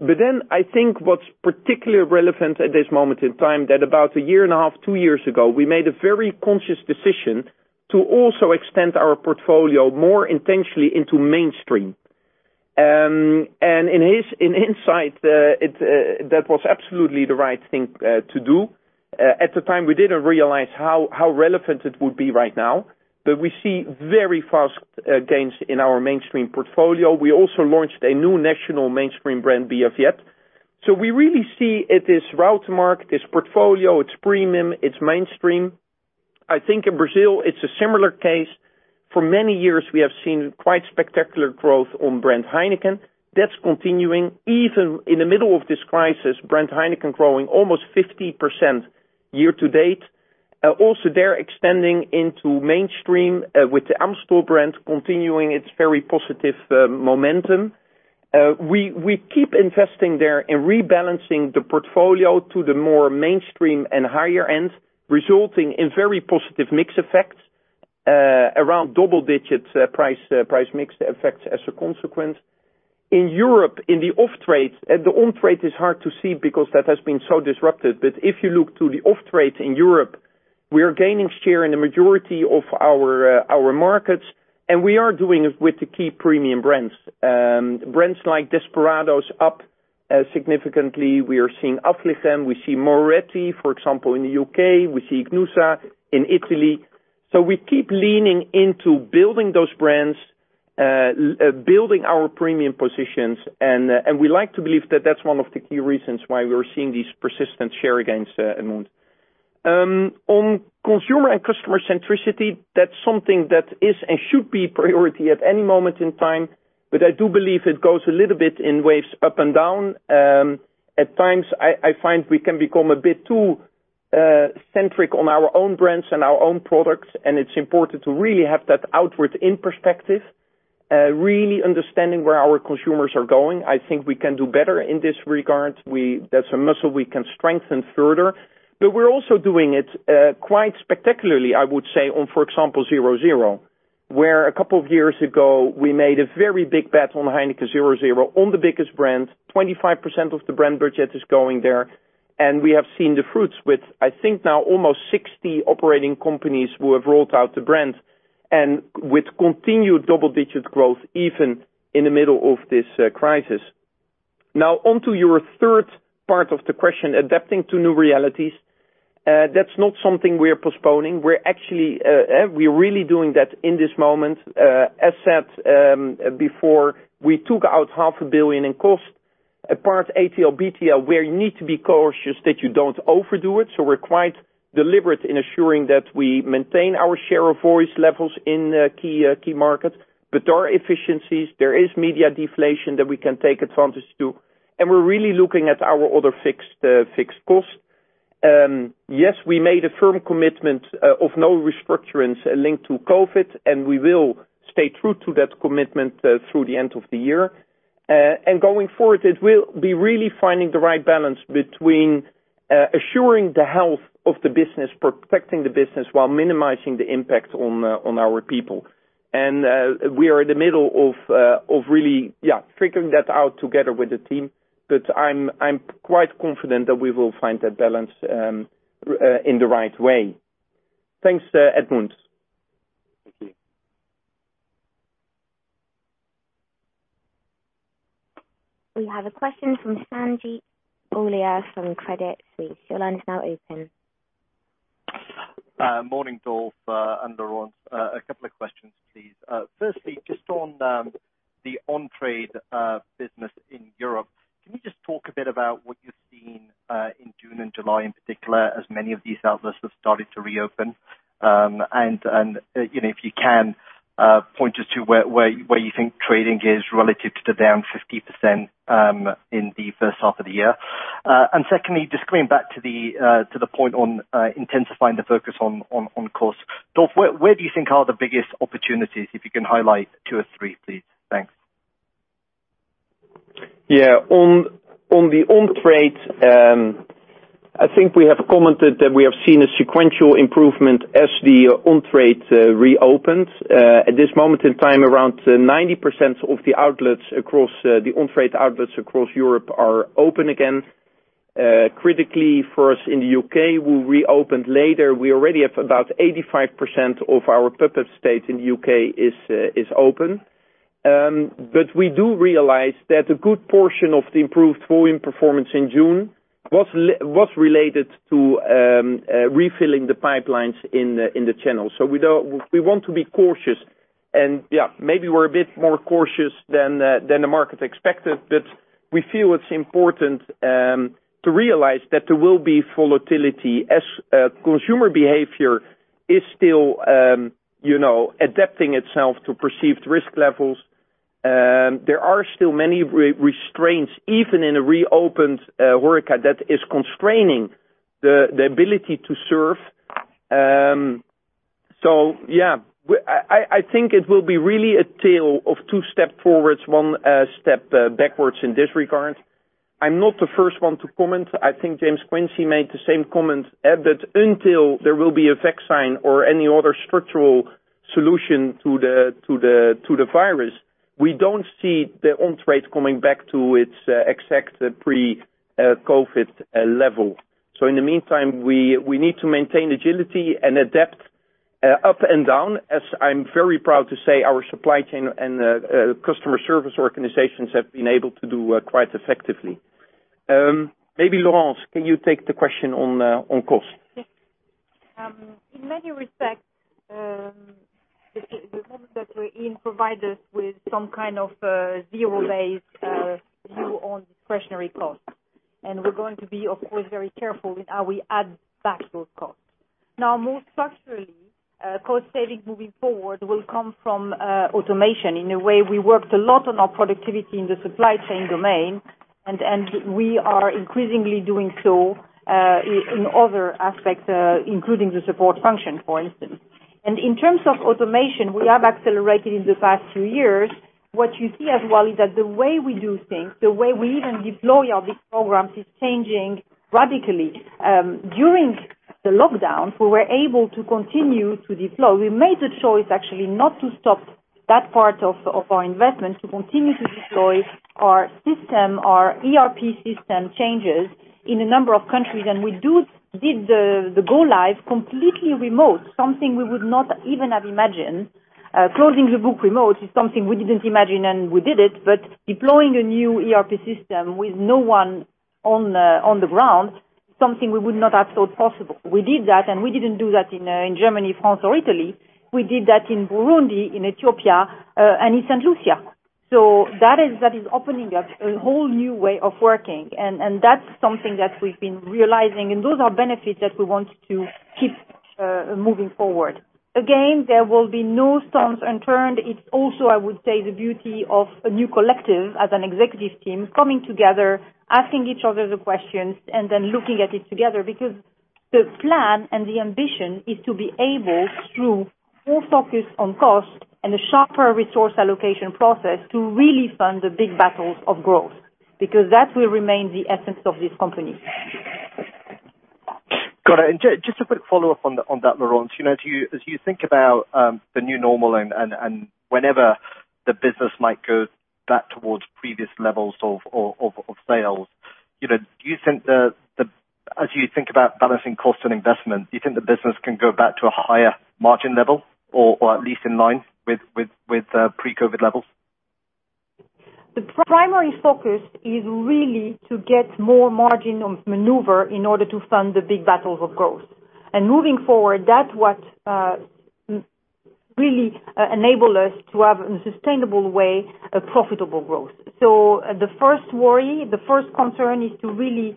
I think what's particularly relevant at this moment in time, that about a year and a half, two years ago, we made a very conscious decision to also extend our portfolio more intentionally into mainstream. In insight, that was absolutely the right thing to do. At the time, we didn't realize how relevant it would be right now, but we see very fast gains in our mainstream portfolio. We also launched a new national mainstream brand, Bia Viet. We really see it is route to market, it's portfolio, it's premium, it's mainstream. I think in Brazil it's a similar case. For many years, we have seen quite spectacular growth on brand Heineken. That's continuing even in the middle of this crisis, brand Heineken growing almost 50% year-to-date. Also, they're extending into mainstream, with the Amstel brand continuing its very positive momentum. We keep investing there in rebalancing the portfolio to the more mainstream and higher end, resulting in very positive mix effects, around double digits price mix effects as a consequence. In Europe, in the off-trade, the on-trade is hard to see because that has been so disrupted. If you look to the off-trade in Europe, we are gaining share in the majority of our markets, and we are doing it with the key premium brands. Brands like Desperados up significantly. We are seeing Affligem. We see Moretti, for example, in the U.K. We see Ichnusa, in Italy. We keep leaning into building those brands, building our premium positions, and we like to believe that that's one of the key reasons why we're seeing these persistent share gains, Edward. On consumer and customer centricity, that's something that is and should be priority at any moment in time, but I do believe it goes a little bit in waves up and down. At times, I find we can become a bit too centric on our own brands and our own products, and it's important to really have that outward in perspective, really understanding where our consumers are going. I think we can do better in this regard. That's a muscle we can strengthen further. We're also doing it quite spectacularly, I would say, on, for example, 0.0. Where a couple of years ago, we made a very big bet on Heineken 0.0 on the biggest brand. 25% of the brand budget is going there, and we have seen the fruits with, I think now almost 60 operating companies who have rolled out the brand, and with continued double-digit growth even in the middle of this crisis. Now on to your third part of the question, adapting to new realities. That's not something we're postponing. We're actually, we're really doing that in this moment. As said before, we took out half a billion in cost, apart ATL, BTL, where you need to be cautious that you don't overdo it. We're quite deliberate in ensuring that we maintain our share of voice levels in key markets. There are efficiencies, there is media deflation that we can take advantage to, and we're really looking at our other fixed costs. Yes, we made a firm commitment of no restructuring linked to COVID-19, and we will stay true to that commitment through the end of the year. Going forward, it will be really finding the right balance between assuring the health of the business, protecting the business while minimizing the impact on our people. We are in the middle of really figuring that out together with the team, but I'm quite confident that we will find that balance in the right way. Thanks, Edward. Thank you. We have a question from Sanjeet Aujla from Credit Suisse. Your line is now open. Morning, Dolf and Laurence. A couple of questions, please. Firstly, just on the on-trade business in Europe, can you just talk a bit about what you've seen in June and July in particular, as many of these outlets have started to reopen? If you can, point us to where you think trading is relative to the down 50% in the first half of the year. Secondly, just coming back to the point on intensifying the focus on costs. Dolf, where do you think are the biggest opportunities, if you can highlight two or three, please? Thanks. On the on-trade, I think we have commented that we have seen a sequential improvement as the on-trade reopened. At this moment in time, around 90% of the outlets across the on-trade outlets across Europe are open again. Critically for us in the U.K., we reopened later. We already have about 85% of our pub estate in the U.K. is open. We do realize that a good portion of the improved volume performance in June was related to refilling the pipelines in the channel. We want to be cautious, and maybe we're a bit more cautious than the market expected, but we feel it's important to realize that there will be volatility as consumer behavior is still adapting itself to perceived risk levels. There are still many restraints, even in a reopened market that is constraining the ability to serve. I think it will be really a tale of two steps forward, one step backwards in this regard. I'm not the first one to comment. I think James Quincey made the same comment that until there will be a vaccine or any other structural solution to the virus, we don't see the on-trade coming back to its exact pre-COVID-19 level. In the meantime, we need to maintain agility and adapt up and down as I'm very proud to say our supply chain and customer service organizations have been able to do quite effectively. Maybe, Laurence, can you take the question on cost? Yes. In many respects, the moment that we're in provides us with some kind of zero-based view on discretionary costs. We're going to be, of course, very careful with how we add back those costs. More structurally, cost saving moving forward will come from automation. In a way, we worked a lot on our productivity in the supply chain domain, and we are increasingly doing so in other aspects, including the support function, for instance. In terms of automation, we have accelerated in the past two years. What you see as well is that the way we do things, the way we even deploy all these programs, is changing radically. During the lockdown, we were able to continue to deploy. We made the choice, actually, not to stop that part of our investment, to continue to deploy our system, our ERP system changes in a number of countries. We did the go live completely remote, something we would not even have imagined. Closing the book remote is something we didn't imagine, and we did it, but deploying a new ERP system with no one on the ground, something we would not have thought possible. We did that, and we didn't do that in Germany, France or Italy. We did that in Burundi, in Ethiopia, and in St. Lucia. That is opening up a whole new way of working, and that's something that we've been realizing, and those are benefits that we want to keep moving forward. Again, there will be no stones unturned. It's also, I would say, the beauty of a new collective as an executive team coming together, asking each other the questions and then looking at it together, because the plan and the ambition is to be able, through more focus on cost and a sharper resource allocation process, to really fund the big battles of growth, because that will remain the essence of this company. Got it. Just a quick follow-up on that, Laurence. As you think about the new normal and whenever the business might go back towards previous levels of sales, as you think about balancing cost and investment, do you think the business can go back to a higher margin level or at least in line with pre-COVID levels? The primary focus is really to get more margin of maneuver in order to fund the big battles of growth. Moving forward, that's what really enable us to have, in a sustainable way, a profitable growth. The first worry, the first concern, is to really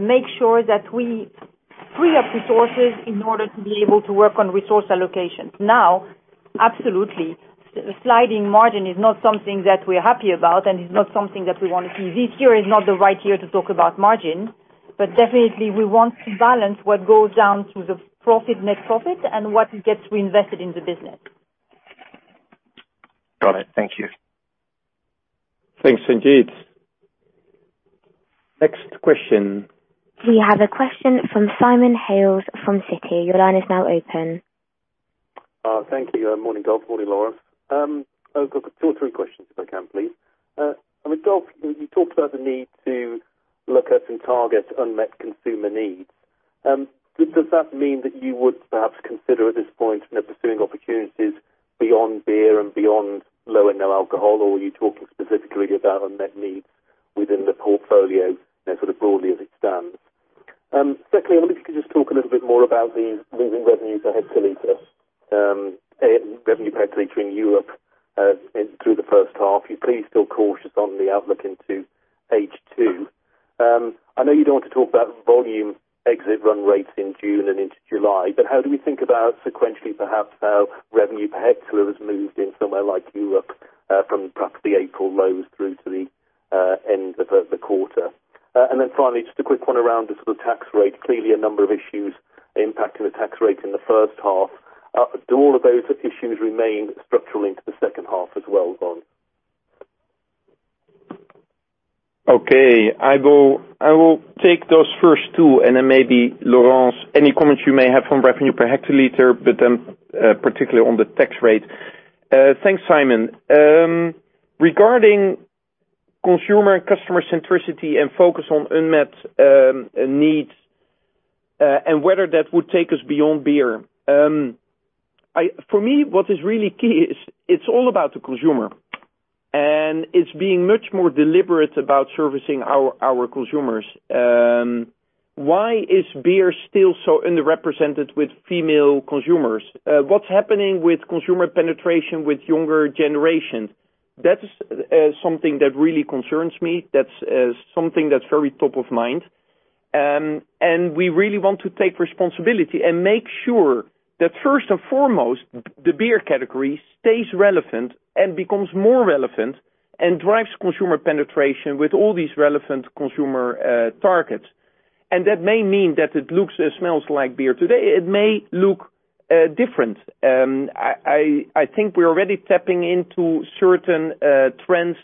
make sure that we free up resources in order to be able to work on resource allocations. Now, absolutely, sliding margin is not something that we're happy about, and it's not something that we want to see. This year is not the right year to talk about margin, but definitely we want to balance what goes down to the net profit and what gets reinvested in the business. Got it. Thank you. Thanks, indeed. Next question. We have a question from Simon Hales from Citi. Your line is now open. Thank you. Morning, Dolf. Morning, Laurence. I've got two or three questions, if I can, please. I mean, Dolf, you talked about the need to look at and target unmet consumer needs. Does that mean that you would perhaps consider at this point pursuing opportunities beyond beer and beyond low and no alcohol? Or were you talking specifically about unmet needs within the portfolio, sort of broadly as it stands? Secondly, I wonder if you could just talk a little bit more about the moving revenues per hectoliters in Europe through the first half. You're plainly still cautious on the outlook into H2. I know you don't want to talk about volume exit run rates in June and into July, but how do we think about sequentially, perhaps, how revenue per hectoliter has moved in somewhere like Europe from perhaps the April lows through to the end of the quarter? Finally, just a quick one around the sort of tax rate. Clearly a number of issues impacting the tax rate in the first half. Do all of those issues remain structurally into the second half as well, Dolf? Okay. I will take those first two, then maybe, Laurence, any comments you may have on revenue per hectoliter, particularly on the tax rate. Thanks, Simon. Regarding consumer and customer centricity and focus on unmet needs and whether that would take us beyond beer. For me, what is really key is it's all about the consumer, and it's being much more deliberate about servicing our consumers. Why is beer still so underrepresented with female consumers? What's happening with consumer penetration with younger generations? That's something that really concerns me. That's something that's very top of mind. We really want to take responsibility and make sure that first and foremost, the beer category stays relevant and becomes more relevant and drives consumer penetration with all these relevant consumer targets. That may mean that it looks and smells like beer today. It may look different. I think we're already tapping into certain trends,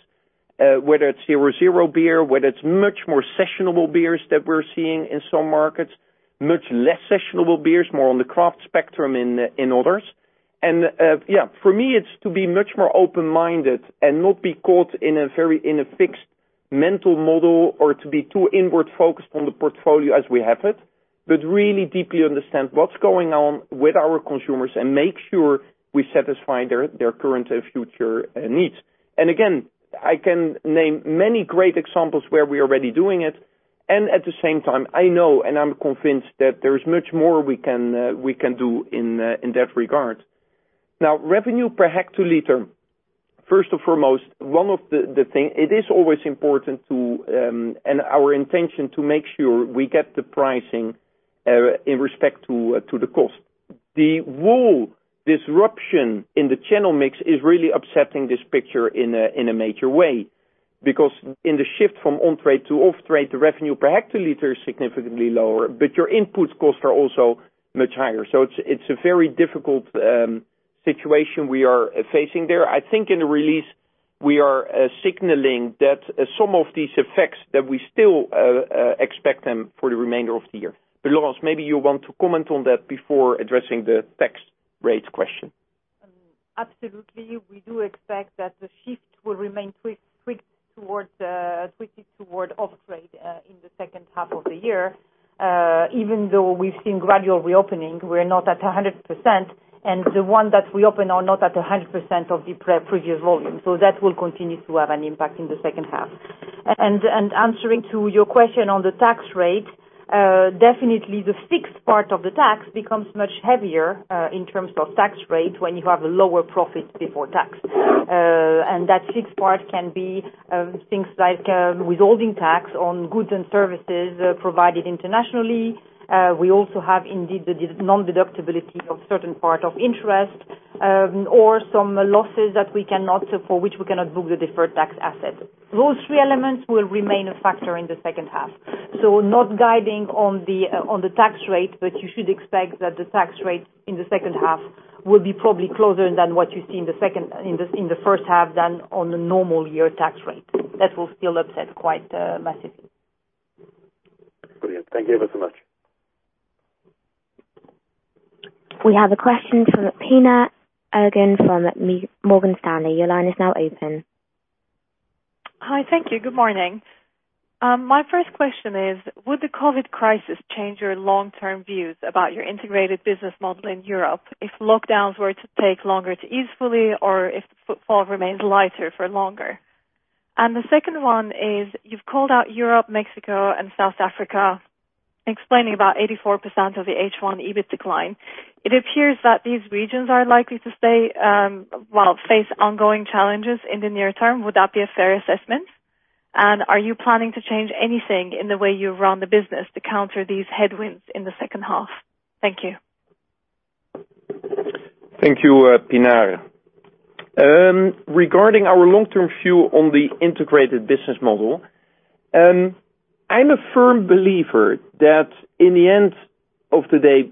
whether it's zero zero beer, whether it's much more sessionable beers that we're seeing in some markets, much less sessionable beers, more on the craft spectrum in others. Yeah, for me, it's to be much more open-minded and not be caught in a fixed mental model or to be too inward-focused on the portfolio as we have it, but really deeply understand what's going on with our consumers and make sure we satisfy their current and future needs. Again, I can name many great examples where we are already doing it. At the same time, I know and I'm convinced that there's much more we can do in that regard. Revenue per hectoliter. First and foremost, it is always important to, and our intention, to make sure we get the pricing in respect to the cost. The whole disruption in the channel mix is really upsetting this picture in a major way, because in the shift from on-trade to off-trade, the revenue per hectoliter is significantly lower, but your input costs are also much higher. It's a very difficult situation we are facing there. I think in the release, we are signaling that some of these effects, that we still expect them for the remainder of the year. Laurence, maybe you want to comment on that before addressing the tax rate question. Absolutely. We do expect that the shift will remain skewed toward off-trade in the second half of the year. Even though we've seen gradual reopening, we're not at 100%, the ones that we open are not at 100% of the previous volume. That will continue to have an impact in the second half. Answering to your question on the tax rate, definitely the fixed part of the tax becomes much heavier, in terms of tax rate, when you have a lower profit before tax. That fixed part can be things like withholding tax on goods and services provided internationally. We also have, indeed, the non-deductibility of certain part of interest, or some losses for which we cannot book the deferred tax asset. Those three elements will remain a factor in the second half. Not guiding on the tax rate, but you should expect that the tax rate in the second half will be probably closer than what you see in the first half than on a normal year tax rate. That will still upset quite massively. Brilliant. Thank you ever so much. We have a question from Pinar Ergun from Morgan Stanley. Your line is now open. Hi. Thank you. Good morning. My first question is, would the COVID-19 crisis change your long-term views about your integrated business model in Europe if lockdowns were to take longer to ease fully, or if the footfall remains lighter for longer? The second one is, you've called out Europe, Mexico, and South Africa, explaining about 84% of the H1 EBIT decline. It appears that these regions are likely to face ongoing challenges in the near term. Would that be a fair assessment? Are you planning to change anything in the way you run the business to counter these headwinds in the second half? Thank you. Thank you, Pinar. Regarding our long-term view on the integrated business model, I'm a firm believer that in the end of the day,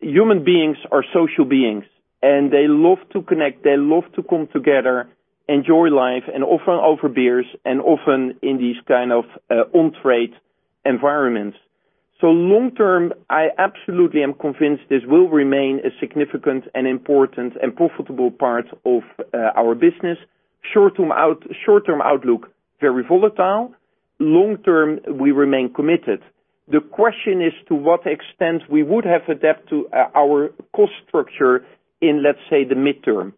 human beings are social beings, and they love to connect, they love to come together, enjoy life, and often over beers, and often in these kind of on-trade environments. Long term, I absolutely am convinced this will remain a significant and important and profitable part of our business. Short-term outlook, very volatile. Long term, we remain committed. The question is to what extent we would have adapt to our cost structure in, let's say, the midterm.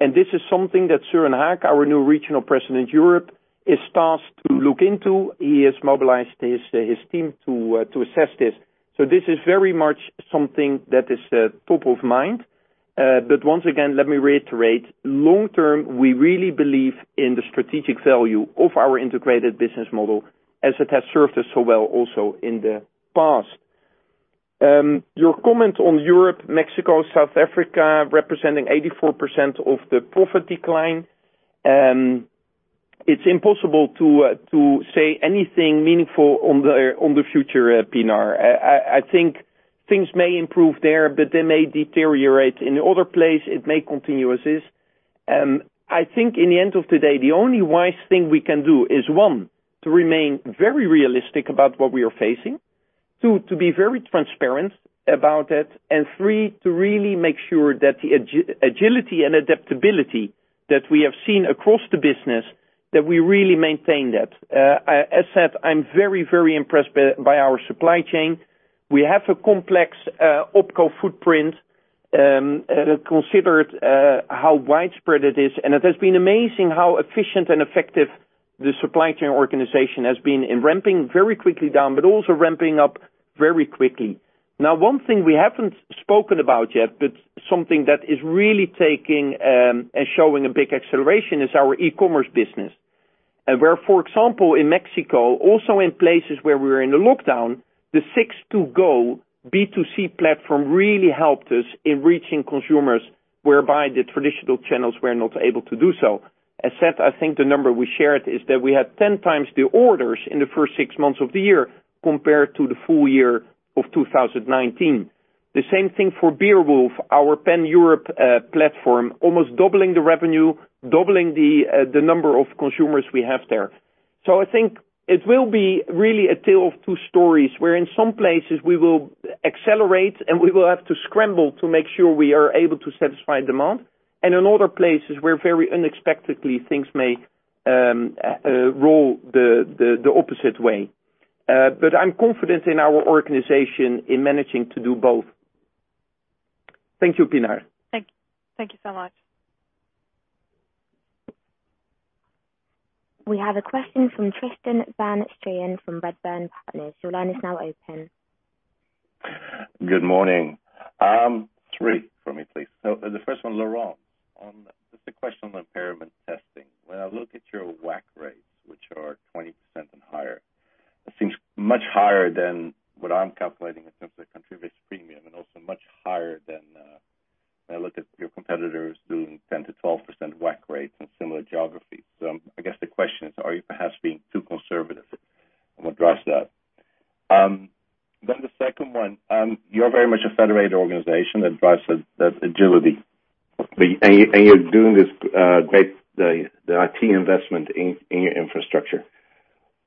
This is something that Søren Hagh, our new regional president Europe, is tasked to look into. He has mobilized his team to assess this. This is very much something that is top of mind. Once again, let me reiterate, long term, we really believe in the strategic value of our integrated business model as it has served us so well also in the past. Your comment on Europe, Mexico, South Africa representing 84% of the profit decline, it's impossible to say anything meaningful on the future, Pinar. I think things may improve there, but they may deteriorate. In other place, it may continue as is. I think in the end of the day, the only wise thing we can do is, one, to remain very realistic about what we are facing. Two, to be very transparent about it. Three, to really make sure that the agility and adaptability that we have seen across the business, that we really maintain that. As said, I'm very impressed by our supply chain. We have a complex opco footprint, considered how widespread it is, it has been amazing how efficient and effective the supply chain organization has been in ramping very quickly down, but also ramping up very quickly. One thing we haven't spoken about yet, but something that is really taking, and showing a big acceleration is our e-commerce business. For example, in Mexico, also in places where we're in a lockdown, the 6ToGo B2C platform really helped us in reaching consumers whereby the traditional channels were not able to do so. As said, I think the number we shared is that we had 10 times the orders in the first six months of the year compared to the full year of 2019. The same thing for Beerwulf, our pan-Europe platform, almost doubling the revenue, doubling the number of consumers we have there. I think it will be really a tale of two stories, where in some places we will accelerate and we will have to scramble to make sure we are able to satisfy demand, and in other places where very unexpectedly things may roll the opposite way. I'm confident in our organization in managing to do both. Thank you, Pinar. Thank you so much. We have a question from Tristan Van Strien from Redburn Partners. Your line is now open. Good morning. Three from me, please. The first one, Laurence. Just a question on impairment testing. When I look at your WACC rates, which are 20% and higher, it seems much higher than what I'm calculating in terms of the country risk premium and also much higher than when I look at your competitors doing 10%-12% WACC rates in similar geographies. I guess the question is, are you perhaps being too conservative and address that? The second one. You're very much a federated organization that drives that agility. You're doing this great IT investment in your infrastructure.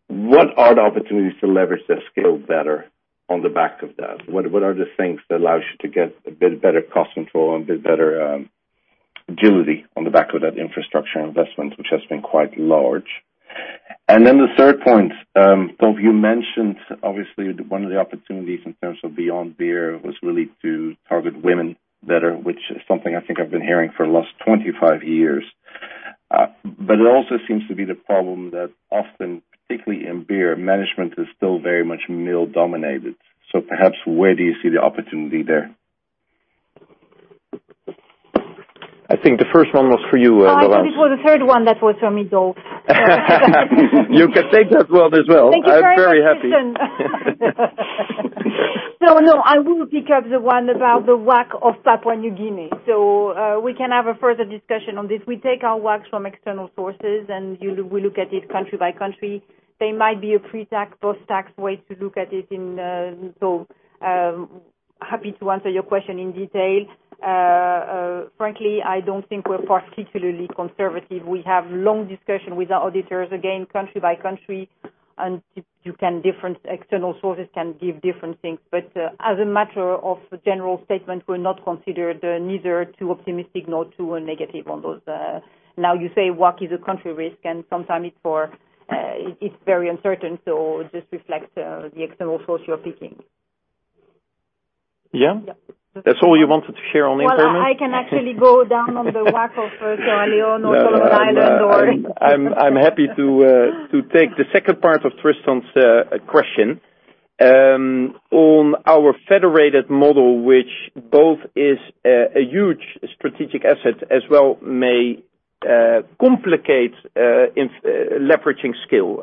What are the opportunities to leverage that scale better on the back of that? What are the things that allows you to get a bit better cost control and a bit better agility on the back of that infrastructure investment, which has been quite large? The third point. Dolf, you mentioned obviously one of the opportunities in terms of Beyond Beer was really to target women better, which is something I think I've been hearing for the last 25 years. It also seems to be the problem that often, particularly in beer, management is still very much male-dominated. Perhaps where do you see the opportunity there? I think the first one was for you, Laurence. I think it was the third one that was for me, Dolf. You can take that one as well. Thank you very much, Tristan. I'm very happy. I will pick up the one about the WACC of Papua New Guinea. We can have a further discussion on this. We take our WACCs from external sources, and we look at it country by country. There might be a pre-tax, post-tax way to look at it in total. Happy to answer your question in detail. Frankly, I don't think we're particularly conservative. We have long discussion with our auditors, again, country by country. External sources can give different things. As a matter of general statement, we're not considered neither too optimistic nor too negative on those. You say WACC is a country risk, and sometimes it's very uncertain, so it just reflects the external source you're picking. Yeah? Yeah. That's all you wanted to share on impairment? Well, I can actually go down on the WACC of Sierra Leone or Solomon Island. I'm happy to take the second part of Tristan's question. On our federated model, which both is a huge strategic asset as well may complicate in leveraging scale.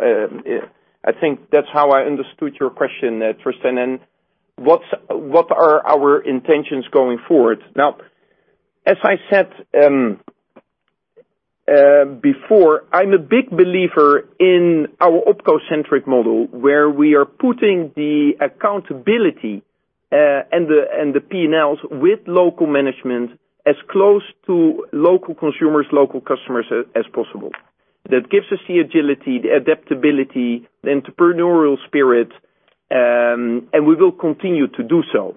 I think that's how I understood your question, Tristan. What are our intentions going forward? Now, as I said before, I'm a big believer in our opco-centric model, where we are putting the accountability and the P&Ls with local management as close to local consumers, local customers, as possible. That gives us the agility, the adaptability, the entrepreneurial spirit, and we will continue to do so.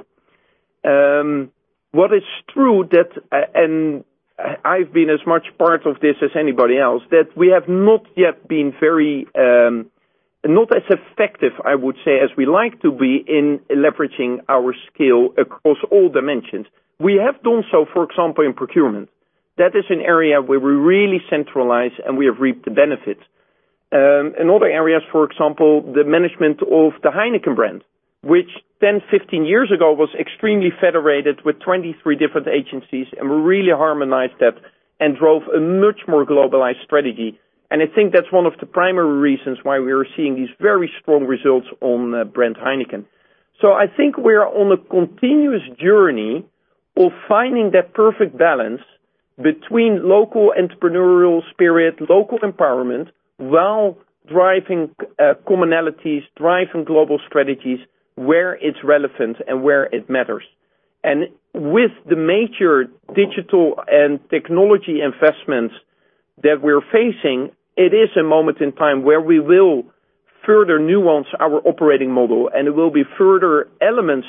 What is true, and I've been as much part of this as anybody else, that we have not yet been not as effective, I would say, as we like to be in leveraging our scalel across all dimensions. We have done so, for example, in procurement. That is an area where we really centralize, and we have reaped the benefits. In other areas, for example, the management of the Heineken brand, which 10, 15 years ago, was extremely federated with 23 different agencies, and we really harmonized that and drove a much more globalized strategy. I think that's one of the primary reasons why we are seeing these very strong results on brand Heineken. I think we're on a continuous journey of finding that perfect balance between local entrepreneurial spirit, local empowerment, while driving commonalities, driving global strategies where it's relevant and where it matters. With the major digital and technology investments that we're facing, it is a moment in time where we will further nuance our operating model, and there will be further elements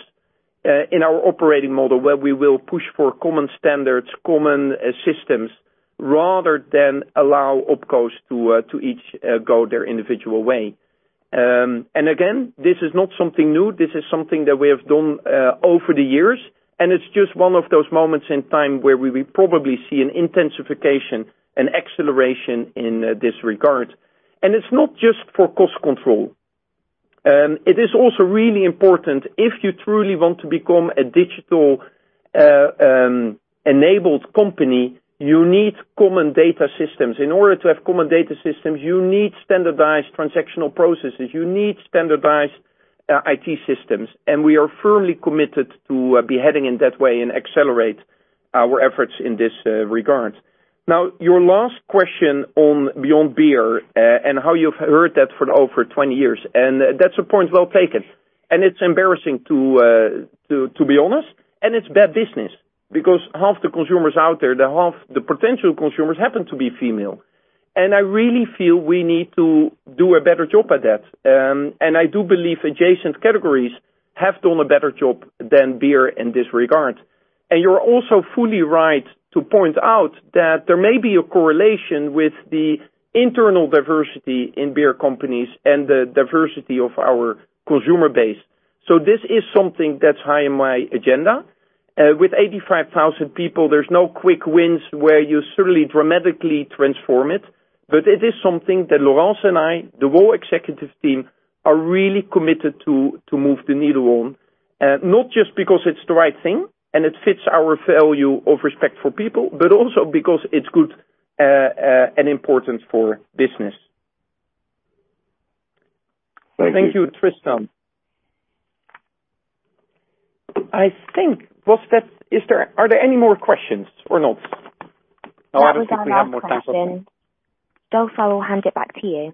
in our operating model where we will push for common standards, common systems, rather than allow opcos to each go their individual way. Again, this is not something new. This is something that we have done over the years, and it's just one of those moments in time where we will probably see an intensification and acceleration in this regard. It's not just for cost control. It is also really important if you truly want to become a digital-enabled company, you need common data systems. In order to have common data systems, you need standardized transactional processes. You need standardized IT systems. We are firmly committed to be heading in that way and accelerate our efforts in this regard. Your last question on Beyond Beer and how you've heard that for over 20 years, and that's a point well taken. It's embarrassing to be honest, and it's bad business because half the consumers out there, the potential consumers happen to be female. I really feel we need to do a better job at that. I do believe adjacent categories have done a better job than beer in this regard. You're also fully right to point out that there may be a correlation with the internal diversity in beer companies and the diversity of our consumer base. This is something that's high on my agenda. With 85,000 people, there's no quick wins where you suddenly dramatically transform it. It is something that Laurence and I, the raw executive team, are really committed to move the needle on. Not just because it's the right thing and it fits our value of respect for people, but also because it's good and important for business. Thank you. Thank you, Tristan. I think, are there any more questions or not? I don't think we have more time for questions. That was our last question. Dolf, I will hand it back to you.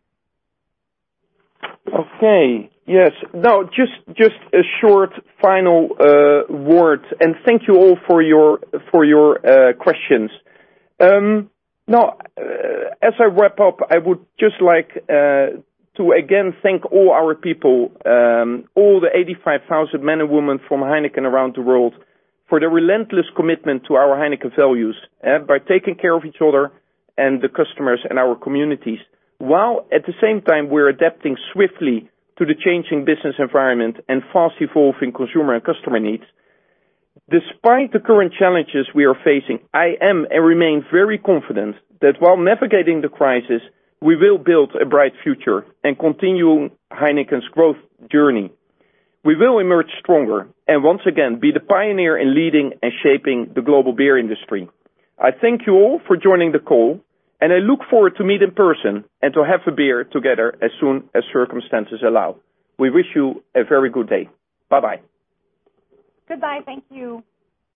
Okay. Yes. Just a short final word, thank you all for your questions. As I wrap up, I would just like to again thank all our people, all the 85,000 men and women from Heineken around the world, for their relentless commitment to our Heineken values, by taking care of each other and the customers and our communities, while at the same time, we're adapting swiftly to the changing business environment and fast-evolving consumer and customer needs. Despite the current challenges we are facing, I am, and remain very confident that while navigating the crisis, we will build a bright future and continue Heineken's growth journey. We will emerge stronger and once again be the pioneer in leading and shaping the global beer industry. I thank you all for joining the call, and I look forward to meet in person and to have a beer together as soon as circumstances allow. We wish you a very good day. Bye-bye. Goodbye. Thank you.